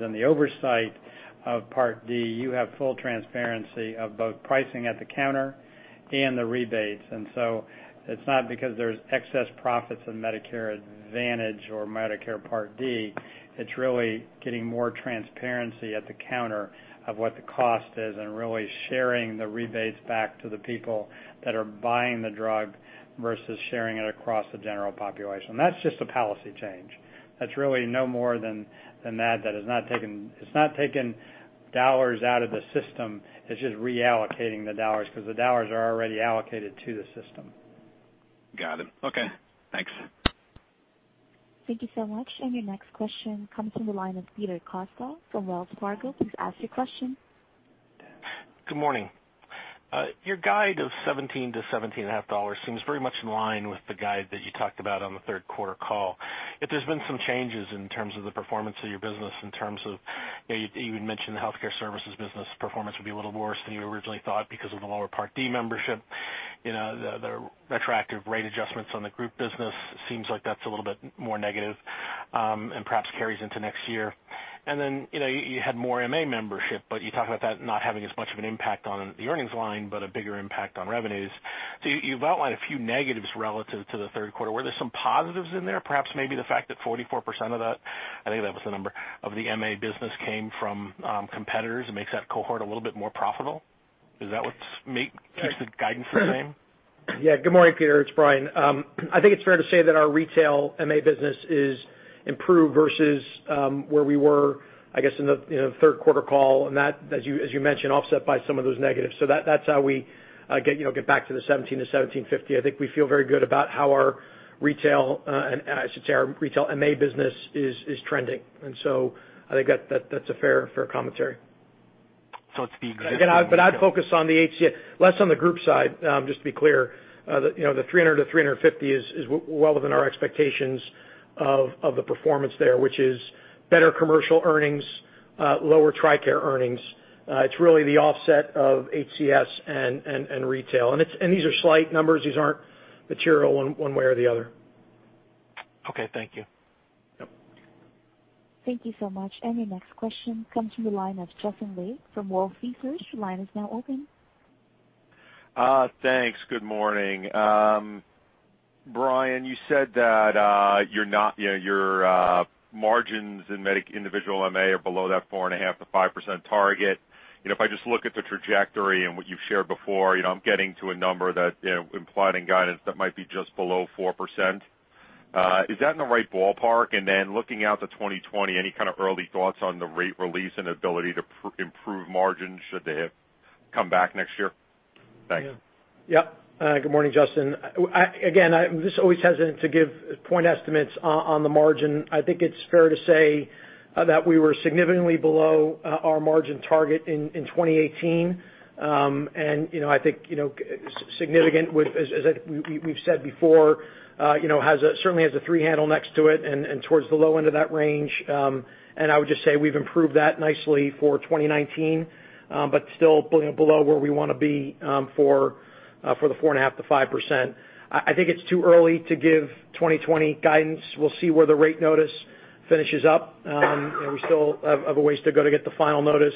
and the oversight of Part D, you have full transparency of both pricing at the counter and the rebates. It's not because there's excess profits in Medicare Advantage or Medicare Part D. It's really getting more transparency at the counter of what the cost is and really sharing the rebates back to the people that are buying the drug versus sharing it across the general population. That's just a policy change. That's really no more than that. It's not taking dollars out of the system. It's just reallocating the dollars because the dollars are already allocated to the system.
Got it. Okay, thanks.
Thank you so much. Your next question comes from the line of Peter Costa from Wells Fargo. Please ask your question.
Good morning. Your guide of $17-$17.50 seems very much in line with the guide that you talked about on the third quarter call. Yet there's been some changes in terms of the performance of your business in terms of, you had mentioned the healthcare services business performance would be a little worse than you originally thought because of the lower Part D membership. The attractive rate adjustments on the group business, seems like that's a little bit more negative, and perhaps carries into next year. You had more MA membership, but you talked about that not having as much of an impact on the earnings line, but a bigger impact on revenues. You've outlined a few negatives relative to the third quarter. Were there some positives in there? Perhaps maybe the fact that 44% of that, I think that was the number, of the MA business came from competitors makes that cohort a little bit more profitable. Is that what keeps the guidance the same?
Yeah. Good morning, Peter. It's Brian. I think it's fair to say that our retail MA business is improved versus, where we were, I guess, in the third quarter call, that, as you mentioned, offset by some of those negatives. That's how we get back to the $17-$17.50. I think we feel very good about how our retail, I should say our retail MA business, is trending. I think that's a fair commentary.
It's the existing retail.
I'd focus less on the group side, just to be clear. The $300-$350 is well within our expectations of the performance there, which is better commercial earnings, lower TRICARE earnings. It's really the offset of HCS and retail. These are slight numbers. These aren't material one way or the other.
Okay. Thank you.
Yep.
Thank you so much. Your next question comes from the line of Justin Lake from Wolfe Research. Line is now open.
Thanks. Good morning. Brian, you said that your margins in Medicare individual MA are below that 4.5%-5% target. If I just look at the trajectory and what you've shared before, I'm getting to a number that, implying guidance that might be just below 4%. Is that in the right ballpark? Looking out to 2020, any kind of early thoughts on the rate release and ability to improve margins, should they come back next year? Thanks.
Yeah. Good morning, Justin. I'm just always hesitant to give point estimates on the margin. I think it's fair to say that we were significantly below our margin target in 2018. I think, significant with, as we've said before, certainly has a three handle next to it and towards the low end of that range. I would just say we've improved that nicely for 2019, but still below where we want to be, for the 4.5%-5%. I think it's too early to give 2020 guidance. We'll see where the rate notice finishes up. We still have a ways to go to get the final notice.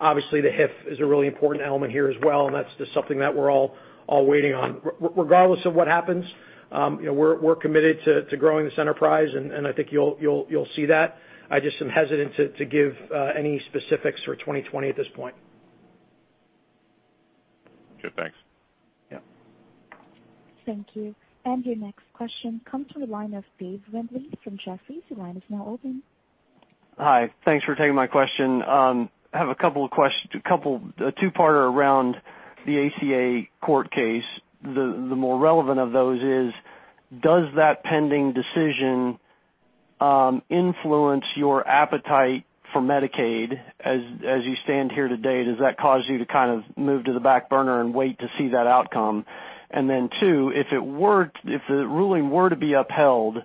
Obviously, the HIF is a really important element here as well, that's just something that we're all waiting on. Regardless of what happens, we're committed to growing this enterprise, I think you'll see that. I just am hesitant to give any specifics for 2020 at this point.
Okay, thanks.
Yeah.
Thank you. Your next question comes from the line of David Windley from Jefferies. The line is now open.
Hi. Thanks for taking my question. I have a two-parter around the ACA court case. The more relevant of those is, does that pending decision influence your appetite for Medicaid as you stand here today? Does that cause you to kind of move to the back burner and wait to see that outcome? Then two, if the ruling were to be upheld,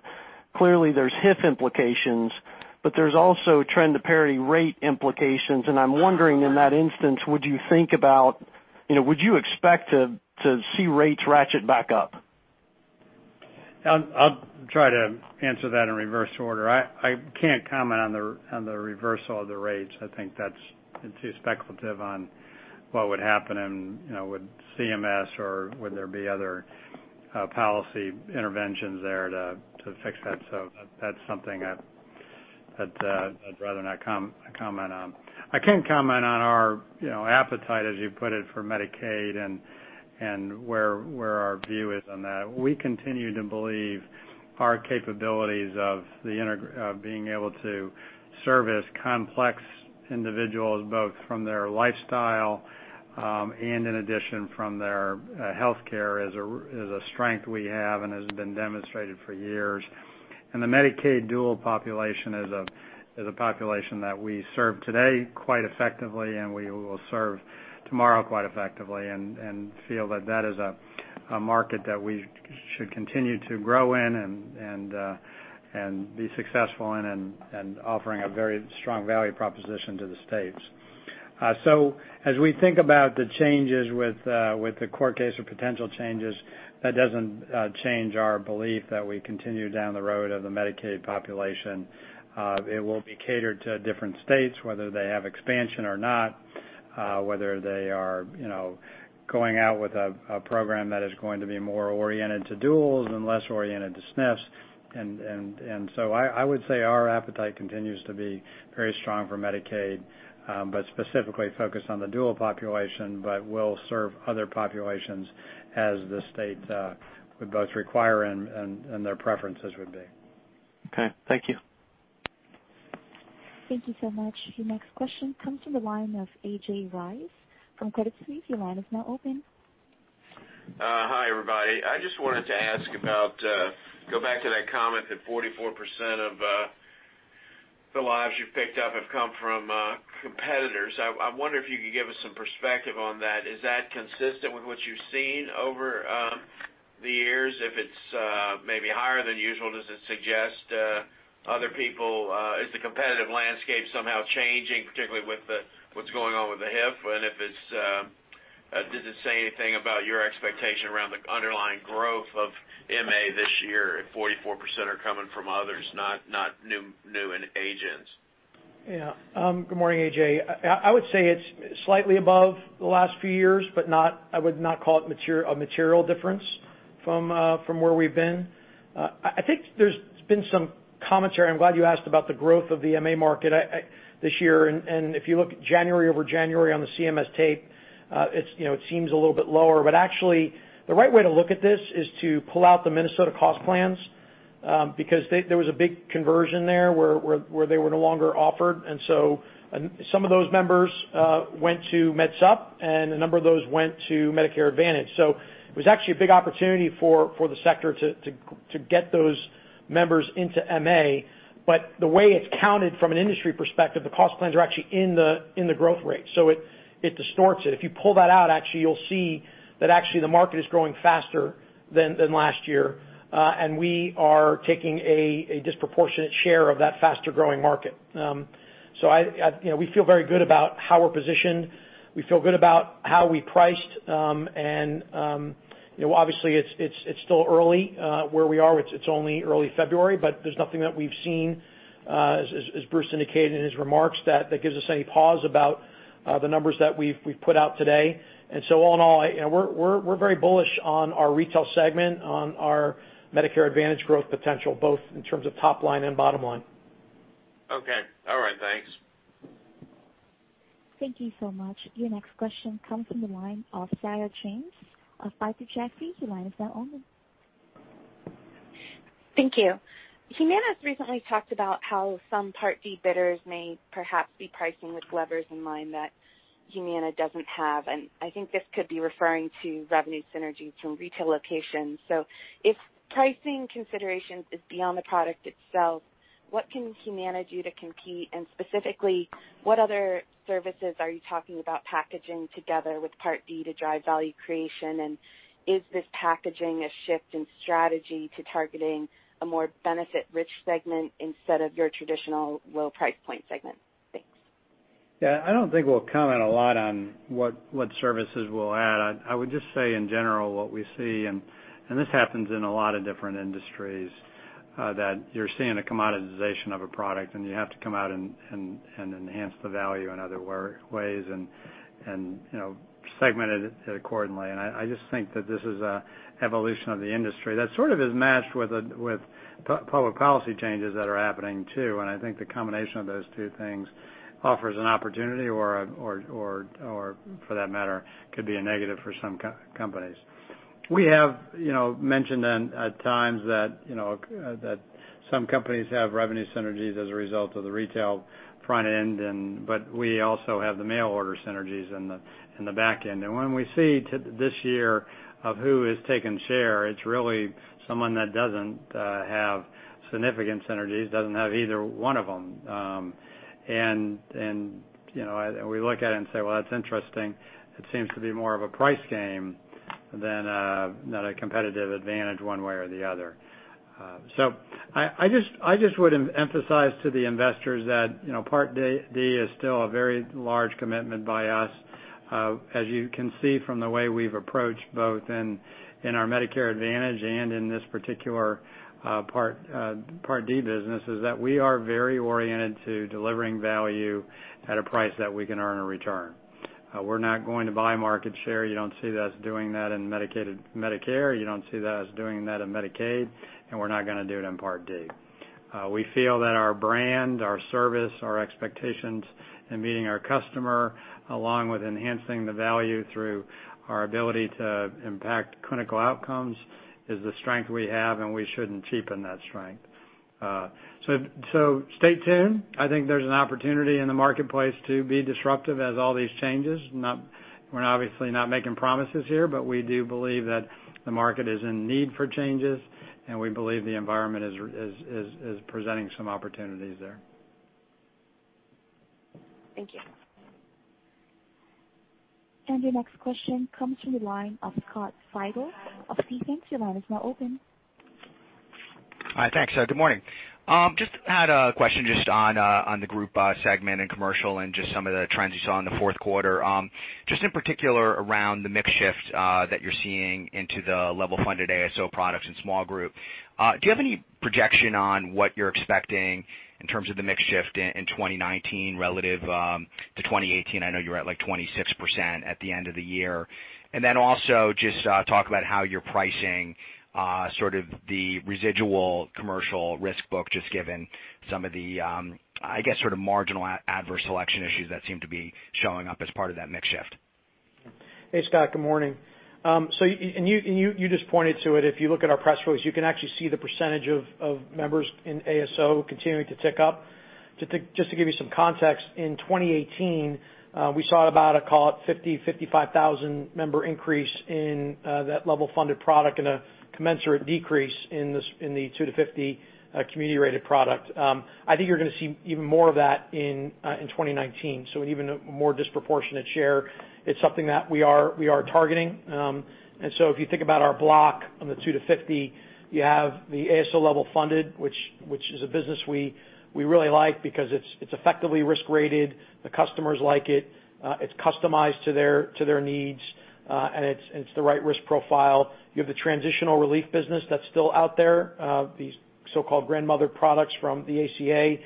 clearly there's HIF implications, but there's also trend to parity rate implications, and I'm wondering in that instance, would you expect to see rates ratchet back up?
I'll try to answer that in reverse order. I can't comment on the reversal of the rates. I think that's too speculative on what would happen, and would CMS or would there be other policy interventions there to fix that. That's something that I'd rather not comment on. I can comment on our appetite, as you put it, for Medicaid and where our view is on that. We continue to believe our capabilities of being able to service complex individuals, both from their lifestyle, and in addition from their healthcare, is a strength we have and has been demonstrated for years. And the Medicaid dual population is a population that we serve today quite effectively and we will serve tomorrow quite effectively and feel that that is a market that we should continue to grow in and be successful in and offering a very strong value proposition to the states. As we think about the changes with the court case or potential changes, that doesn't change our belief that we continue down the road of the Medicaid population. It will be catered to different states, whether they have expansion or not, whether they are going out with a program that is going to be more oriented to duals and less oriented to SNFs. I would say our appetite continues to be very strong for Medicaid, but specifically focused on the dual population, but we'll serve other populations as the state would both require and their preferences would be.
Okay, thank you.
Thank you so much. Your next question comes from the line of A.J. Rice from Credit Suisse. Your line is now open.
Hi, everybody. I just wanted to ask about, go back to that comment that 44% of the lives you've picked up have come from competitors. I wonder if you could give us some perspective on that. Is that consistent with what you've seen over the years? If it's maybe higher than usual, does it suggest the competitive landscape somehow changing, particularly with what's going on with the HIF? Does it say anything about your expectation around the underlying growth of MA this year, if 44% are coming from others, not new end agents?
Yeah. Good morning, A.J. I would say it's slightly above the last few years, but I would not call it a material difference from where we've been. I think there's been some commentary. I'm glad you asked about the growth of the MA market this year. If you look January over January on the CMS tape it seems a little bit lower. Actually, the right way to look at this is to pull out the Minnesota Cost plans, because there was a big conversion there where they were no longer offered, and so some of those members went to Medicare Supplement, and a number of those went to Medicare Advantage. It was actually a big opportunity for the sector to get those members into MA. The way it's counted from an industry perspective, the cost plans are actually in the growth rate. It distorts it. If you pull that out, actually, you'll see that actually the market is growing faster than last year. We are taking a disproportionate share of that faster-growing market. We feel very good about how we're positioned. We feel good about how we priced. Obviously, it's still early where we are. It's only early February, but there's nothing that we've seen, as Bruce indicated in his remarks, that gives us any pause about the numbers that we've put out today. All in all, we're very bullish on our retail segment, on our Medicare Advantage growth potential, both in terms of top line and bottom line.
Okay. All right. Thanks.
Thank you so much. Your next question comes from the line of Sarah James of Piper Jaffray. Your line is now open.
Thank you. Humana's recently talked about how some Part D bidders may perhaps be pricing with levers in mind that Humana doesn't have, and I think this could be referring to revenue synergies from retail locations. Specifically, what other services are you talking about packaging together with Part D to drive value creation? Is this packaging a shift in strategy to targeting a more benefit-rich segment instead of your traditional low price point segment? Thanks.
Yeah, I don't think we'll comment a lot on what services we'll add. I would just say in general what we see, and this happens in a lot of different industries, that you're seeing a commoditization of a product, and you have to come out and enhance the value in other ways and segment it accordingly. I just think that this is an evolution of the industry that sort of is matched with public policy changes that are happening too. I think the combination of those two things offers an opportunity or for that matter, could be a negative for some companies. We have mentioned at times that some companies have revenue synergies as a result of the retail front end, but we also have the mail order synergies in the back end. When we see this year of who has taken share, it's really someone that doesn't have significant synergies, doesn't have either one of them. We look at it and say, "Well, that's interesting. It seems to be more of a price game than a competitive advantage one way or the other." I just would emphasize to the investors that Part D is still a very large commitment by us. As you can see from the way we've approached both in our Medicare Advantage and in this particular Part D business, is that we are very oriented to delivering value at a price that we can earn a return. We're not going to buy market share. You don't see us doing that in Medicare. You don't see us doing that in Medicaid, and we're not going to do it in Part D. We feel that our brand, our service, our expectations in meeting our customer, along with enhancing the value through our ability to impact clinical outcomes, is the strength we have, and we shouldn't cheapen that strength. Stay tuned. I think there's an opportunity in the marketplace to be disruptive as all these changes. We're obviously not making promises here, we do believe that the market is in need for changes, and we believe the environment is presenting some opportunities there.
Thank you.
Your next question comes from the line of Scott Fidel of Stephens. Your line is now open.
Hi, thanks. Good morning. Had a question just on the group segment and commercial and just some of the trends you saw in the fourth quarter. In particular around the mix shift that you're seeing into the level-funded ASO products and small group. Do you have any projection on what you're expecting in terms of the mix shift in 2019 relative to 2018? I know you were at like 26% at the end of the year. Also just talk about how you're pricing sort of the residual commercial risk book, just given some of the, I guess, sort of marginal adverse selection issues that seem to be showing up as part of that mix shift.
Hey, Scott. Good morning. You just pointed to it, if you look at our press release, you can actually see the percentage of members in ASO continuing to tick up. Just to give you some context, in 2018, we saw about, call it 50,000, 55,000 member increase in that level funded product and a commensurate decrease in the 2-50 community-rated product. I think you're going to see even more of that in 2019, so an even more disproportionate share. It's something that we are targeting. If you think about our block on the 2-50, you have the ASO level funded, which is a business we really like because it's effectively risk-rated. The customers like it. It's customized to their needs, and it's the right risk profile. You have the transitional relief business that's still out there, these so-called grandmother products from the ACA.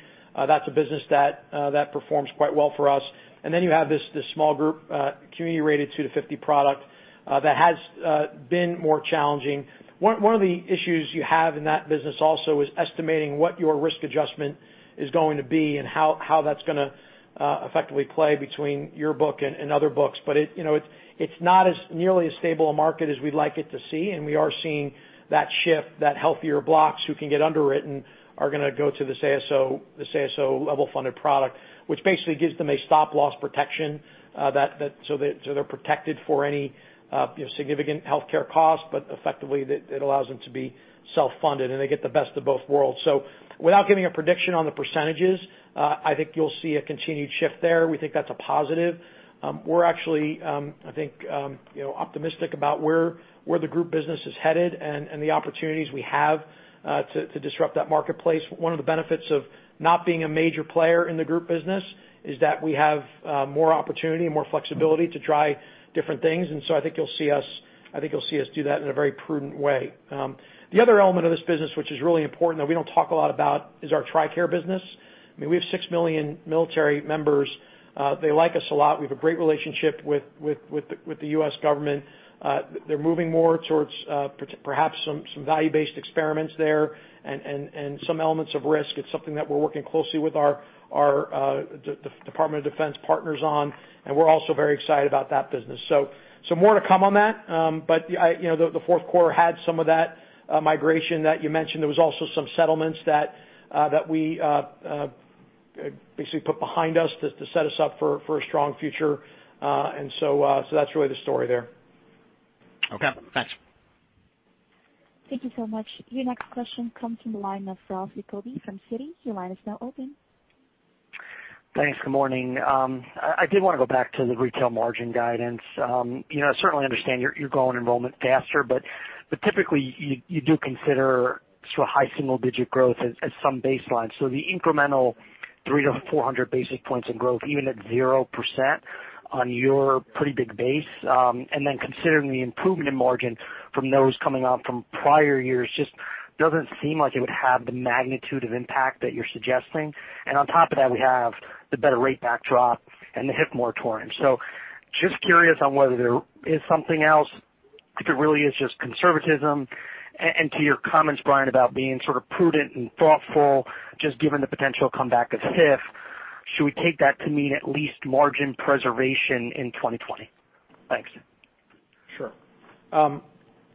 That's a business that performs quite well for us. Then you have this small group, community rated 2-50 product that has been more challenging. One of the issues you have in that business also is estimating what your risk adjustment is going to be and how that's going to effectively play between your book and other books. It's not as nearly as stable a market as we'd like it to see, and we are seeing that shift, that healthier blocks who can get underwritten are going to go to this ASO level funded product. Which basically gives them a stop loss protection, so they're protected for any significant healthcare costs, but effectively, it allows them to be self-funded, and they get the best of both worlds. Without giving a prediction on the %, I think you'll see a continued shift there. We think that's a positive. We're actually, I think, optimistic about where the group business is headed and the opportunities we have to disrupt that marketplace. One of the benefits of not being a major player in the group business is that we have more opportunity, more flexibility to try different things, and so I think you'll see us do that in a very prudent way. The other element of this business which is really important that we don't talk a lot about is our TRICARE business. I mean, we have six million military members. They like us a lot. We have a great relationship with the U.S. government. They're moving more towards perhaps some value-based experiments there and some elements of risk. It's something that we're working closely with our Department of Defense partners on, and we're also very excited about that business. More to come on that. The fourth quarter had some of that migration that you mentioned. There was also some settlements that we basically put behind us to set us up for a strong future. That's really the story there.
Okay, thanks.
Thank you so much. Your next question comes from the line of Ralph Giacobbe from Citi. Your line is now open.
Thanks. Good morning. I did want to go back to the retail margin guidance. I certainly understand you're growing enrollment faster, but typically, you do consider sort of high single-digit growth as some baseline. The incremental 300-400 basis points of growth, even at 0% on your pretty big base, and then considering the improvement in margin from those coming off from prior years just doesn't seem like it would have the magnitude of impact that you're suggesting. On top of that, we have the better rate backdrop and the HIF moratorium. Just curious on whether there is something else, if it really is just conservatism. To your comments, Brian, about being sort of prudent and thoughtful, just given the potential comeback of HIF, should we take that to mean at least margin preservation in 2020? Thanks.
Sure.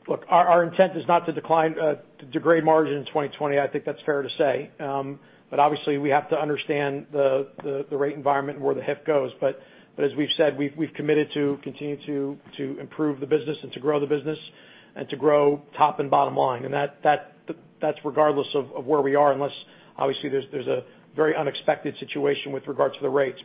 Look, our intent is not to degrade margin in 2020. I think that's fair to say. Obviously we have to understand the rate environment and where the HIF goes. As we've said, we've committed to continue to improve the business and to grow the business and to grow top and bottom line. That's regardless of where we are, unless obviously there's a very unexpected situation with regards to the rates.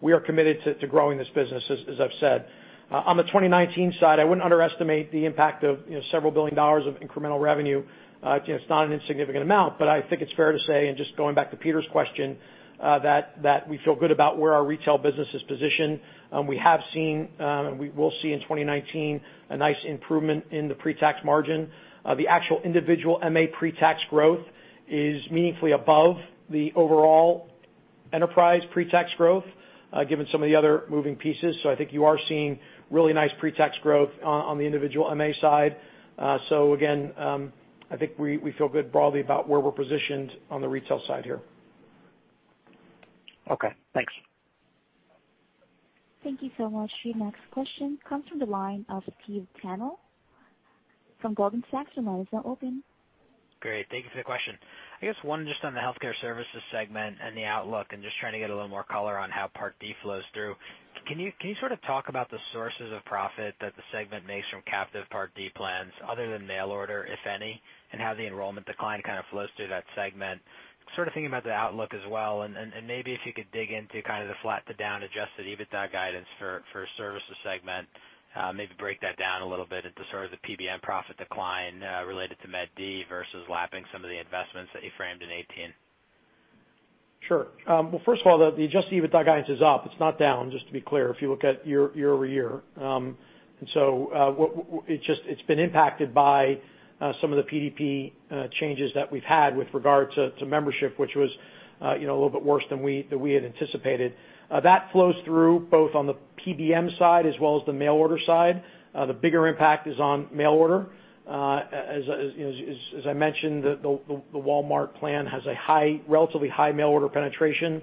We are committed to growing this business, as I've said. On the 2019 side, I wouldn't underestimate the impact of several billion dollars of incremental revenue. It's not an insignificant amount, but I think it's fair to say, and just going back to Peter's question, that we feel good about where our retail business is positioned. We have seen, and we will see in 2019, a nice improvement in the pre-tax margin. The actual individual MA pre-tax growth is meaningfully above the overall enterprise pre-tax growth, given some of the other moving pieces. I think you are seeing really nice pre-tax growth on the individual MA side. Again, I think we feel good broadly about where we're positioned on the retail side here.
Okay, thanks.
Thank you so much. Your next question comes from the line of Stephen Tanal from Goldman Sachs. Your line is now open.
Great. Thank you for the question. I guess one just on the healthcare services segment and the outlook and just trying to get a little more color on how Part D flows through. Can you sort of talk about the sources of profit that the segment makes from captive Part D plans other than mail order, if any, and how the enrollment decline kind of flows through that segment? Thinking about the outlook as well. Maybe if you could dig into the flat to down adjusted EBITDA guidance for services segment. Maybe break that down a little bit into the PBM profit decline related to Part D versus lapping some of the investments that you framed in 2018.
First of all, the adjusted EBITDA guidance is up. It's not down, just to be clear, if you look at year-over-year. It's been impacted by some of the PDP changes that we've had with regard to membership, which was a little bit worse than we had anticipated. That flows through both on the PBM side as well as the mail order side. The bigger impact is on mail order. As I mentioned, the Walmart plan has a relatively high mail order penetration,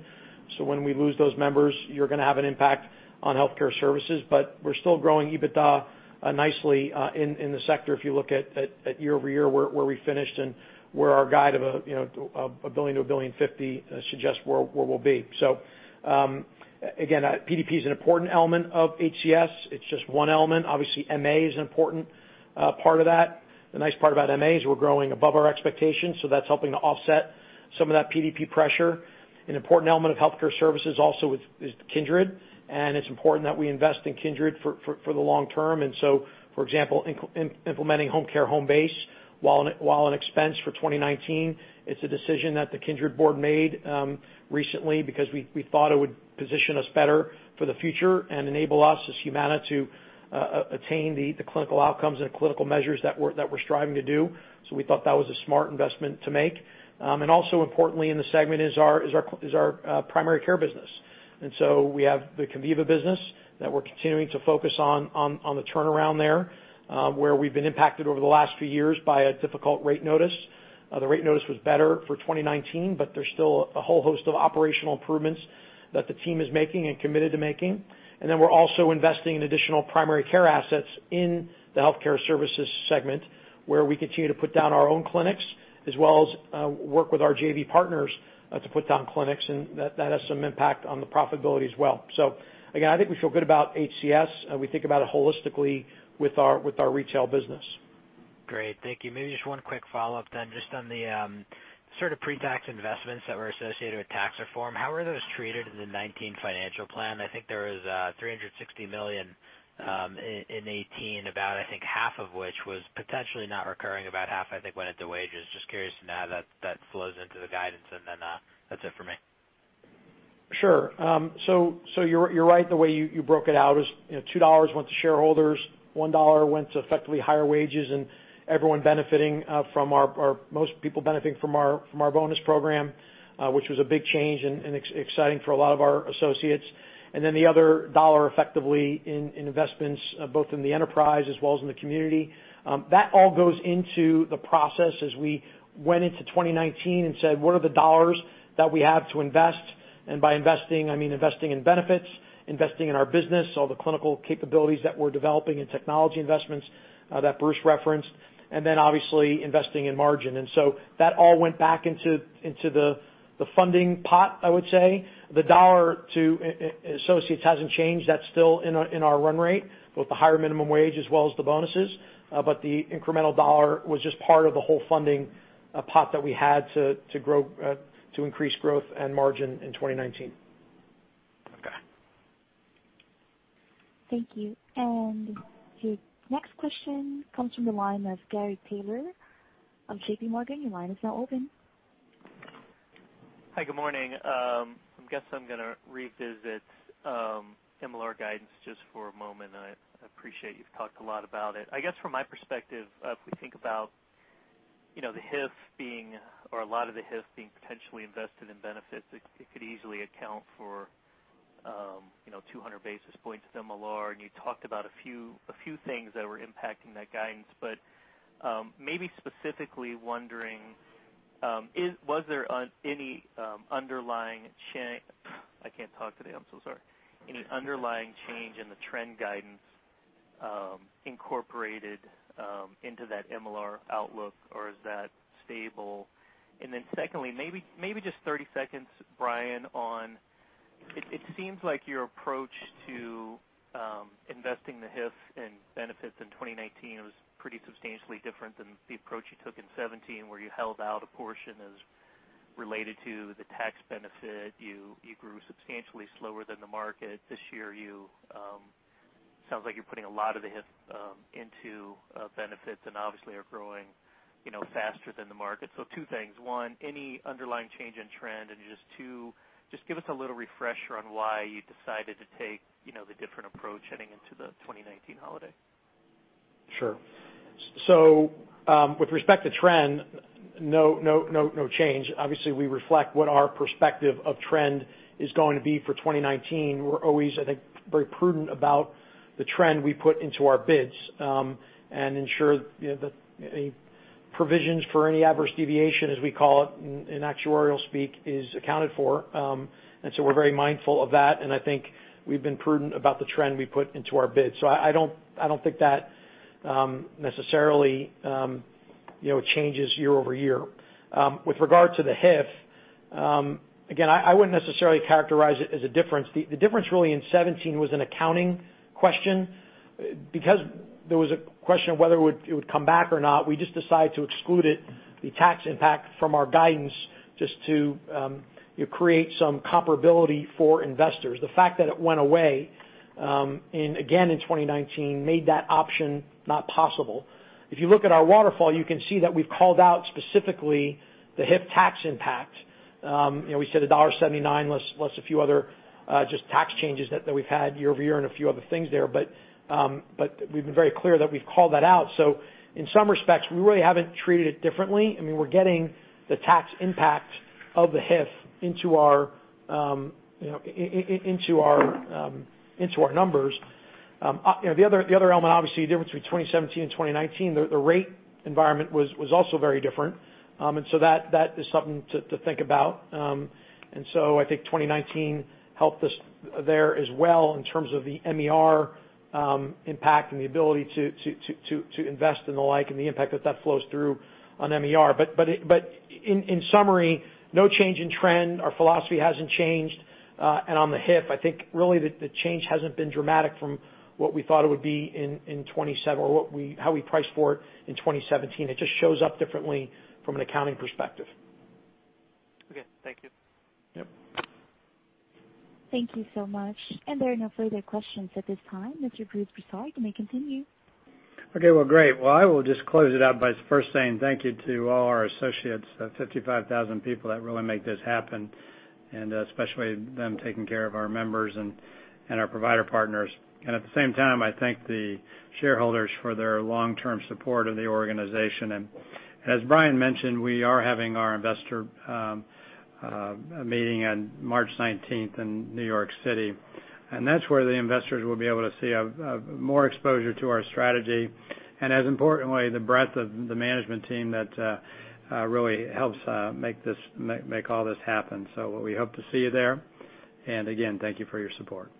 so when we lose those members, you're going to have an impact on healthcare services. We're still growing EBITDA nicely in the sector if you look at year-over-year, where we finished and where our guide of $1 billion-$1.05 billion suggests where we'll be. Again, PDP is an important element of HCS. It's just one element. MA is an important part of that. The nice part about MA is we're growing above our expectations, so that's helping to offset some of that PDP pressure. An important element of healthcare services also is Kindred, and it's important that we invest in Kindred for the long term. For example, implementing HomeCare HomeBase, while an expense for 2019, it's a decision that the Kindred board made recently because we thought it would position us better for the future and enable us as Humana to attain the clinical outcomes and clinical measures that we're striving to do. We thought that was a smart investment to make. Also importantly in the segment is our primary care business. We have the Conviva business that we're continuing to focus on the turnaround there, where we've been impacted over the last few years by a difficult rate notice. The rate notice was better for 2019. There's still a whole host of operational improvements that the team is making and committed to making. We're also investing in additional primary care assets in the healthcare services segment, where we continue to put down our own clinics, as well as work with our JV partners to put down clinics, and that has some impact on the profitability as well. Again, I think we feel good about HCS. We think about it holistically with our retail business.
Great. Thank you. Maybe just one quick follow-up then, just on the sort of pre-tax investments that were associated with tax reform. How are those treated in the 2019 financial plan? I think there was $360 million in 2018, about I think half of which was potentially not recurring. About half I think went into wages. Just curious how that flows into the guidance and then that's it for me.
Sure. You're right the way you broke it out is $2 went to shareholders, $1 went to effectively higher wages, and most people benefiting from our bonus program, which was a big change and exciting for a lot of our associates. The other $1 effectively in investments both in the enterprise as well as in the community. That all goes into the process as we went into 2019 and said what are the dollars that we have to invest? By investing, I mean investing in benefits, investing in our business, all the clinical capabilities that we're developing in technology investments that Bruce referenced, obviously investing in margin. That all went back into the funding pot, I would say. The $1 to associates hasn't changed. That's still in our run rate, both the higher minimum wage as well as the bonuses. The incremental $1 was just part of the whole funding pot that we had to increase growth and margin in 2019.
Okay.
Thank you. The next question comes from the line of Gary Taylor of JPMorgan. Your line is now open.
Hi, good morning. I guess I'm going to revisit MLR guidance just for a moment. I appreciate you've talked a lot about it. I guess from my perspective, if we think about the HIF being, or a lot of the HIF being potentially invested in benefits, it could easily account for 200 basis points to MLR, and you talked about a few things that were impacting that guidance. Maybe specifically wondering, was there any underlying change in the trend guidance incorporated into that MLR outlook, or is that stable? Secondly, maybe just 30 seconds, Brian, on it seems like your approach to investing the HIF in benefits in 2019 was pretty substantially different than the approach you took in 2017, where you held out a portion as related to the tax benefit. You grew substantially slower than the market. This year, sounds like you're putting a lot of the HIF into benefits and obviously are growing faster than the market. Two things. One, any underlying change in trend? Just two, just give us a little refresher on why you decided to take the different approach heading into the 2019 holiday.
Sure. With respect to trend, no change. Obviously, we reflect what our perspective of trend is going to be for 2019. We're always, I think, very prudent about the trend we put into our bids and ensure that any provisions for any adverse deviation, as we call it in actuarial speak, is accounted for. We're very mindful of that, and I think we've been prudent about the trend we put into our bids. I don't think that necessarily It changes year-over-year. With regard to the HIF, again, I wouldn't necessarily characterize it as a difference. The difference really in 2017 was an accounting question. Because there was a question of whether it would come back or not, we just decided to exclude it, the tax impact from our guidance, just to create some comparability for investors. The fact that it went away, again in 2019, made that option not possible. If you look at our waterfall, you can see that we've called out specifically the HIF tax impact. We said $1.79 less a few other just tax changes that we've had year-over-year and a few other things there. We've been very clear that we've called that out. In some respects, we really haven't treated it differently. We're getting the tax impact of the HIF into our numbers. The other element, obviously, the difference between 2017 and 2019, the rate environment was also very different. That is something to think about. I think 2019 helped us there as well in terms of the MBR impact and the ability to invest and the like, and the impact that that flows through on MBR. In summary, no change in trend. Our philosophy hasn't changed. On the HIF, I think really the change hasn't been dramatic from what we thought it would be in how we priced for it in 2017. It just shows up differently from an accounting perspective.
Okay, thank you.
Yep.
Thank you so much. There are no further questions at this time. Mr. Bruce Broussard, you may continue.
Okay. Well, great. Well, I will just close it out by first saying thank you to all our associates, the 55,000 people that really make this happen, and especially them taking care of our members and our provider partners. At the same time, I thank the shareholders for their long-term support of the organization. As Brian mentioned, we are having our investor meeting on March 19th in New York City, that's where the investors will be able to see more exposure to our strategy, as importantly, the breadth of the management team that really helps make all this happen. We hope to see you there. Again, thank you for your support.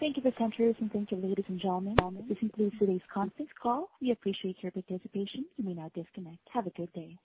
Thank you, presenters, and thank you, ladies and gentlemen. This concludes today's conference call. We appreciate your participation. You may now disconnect. Have a good day.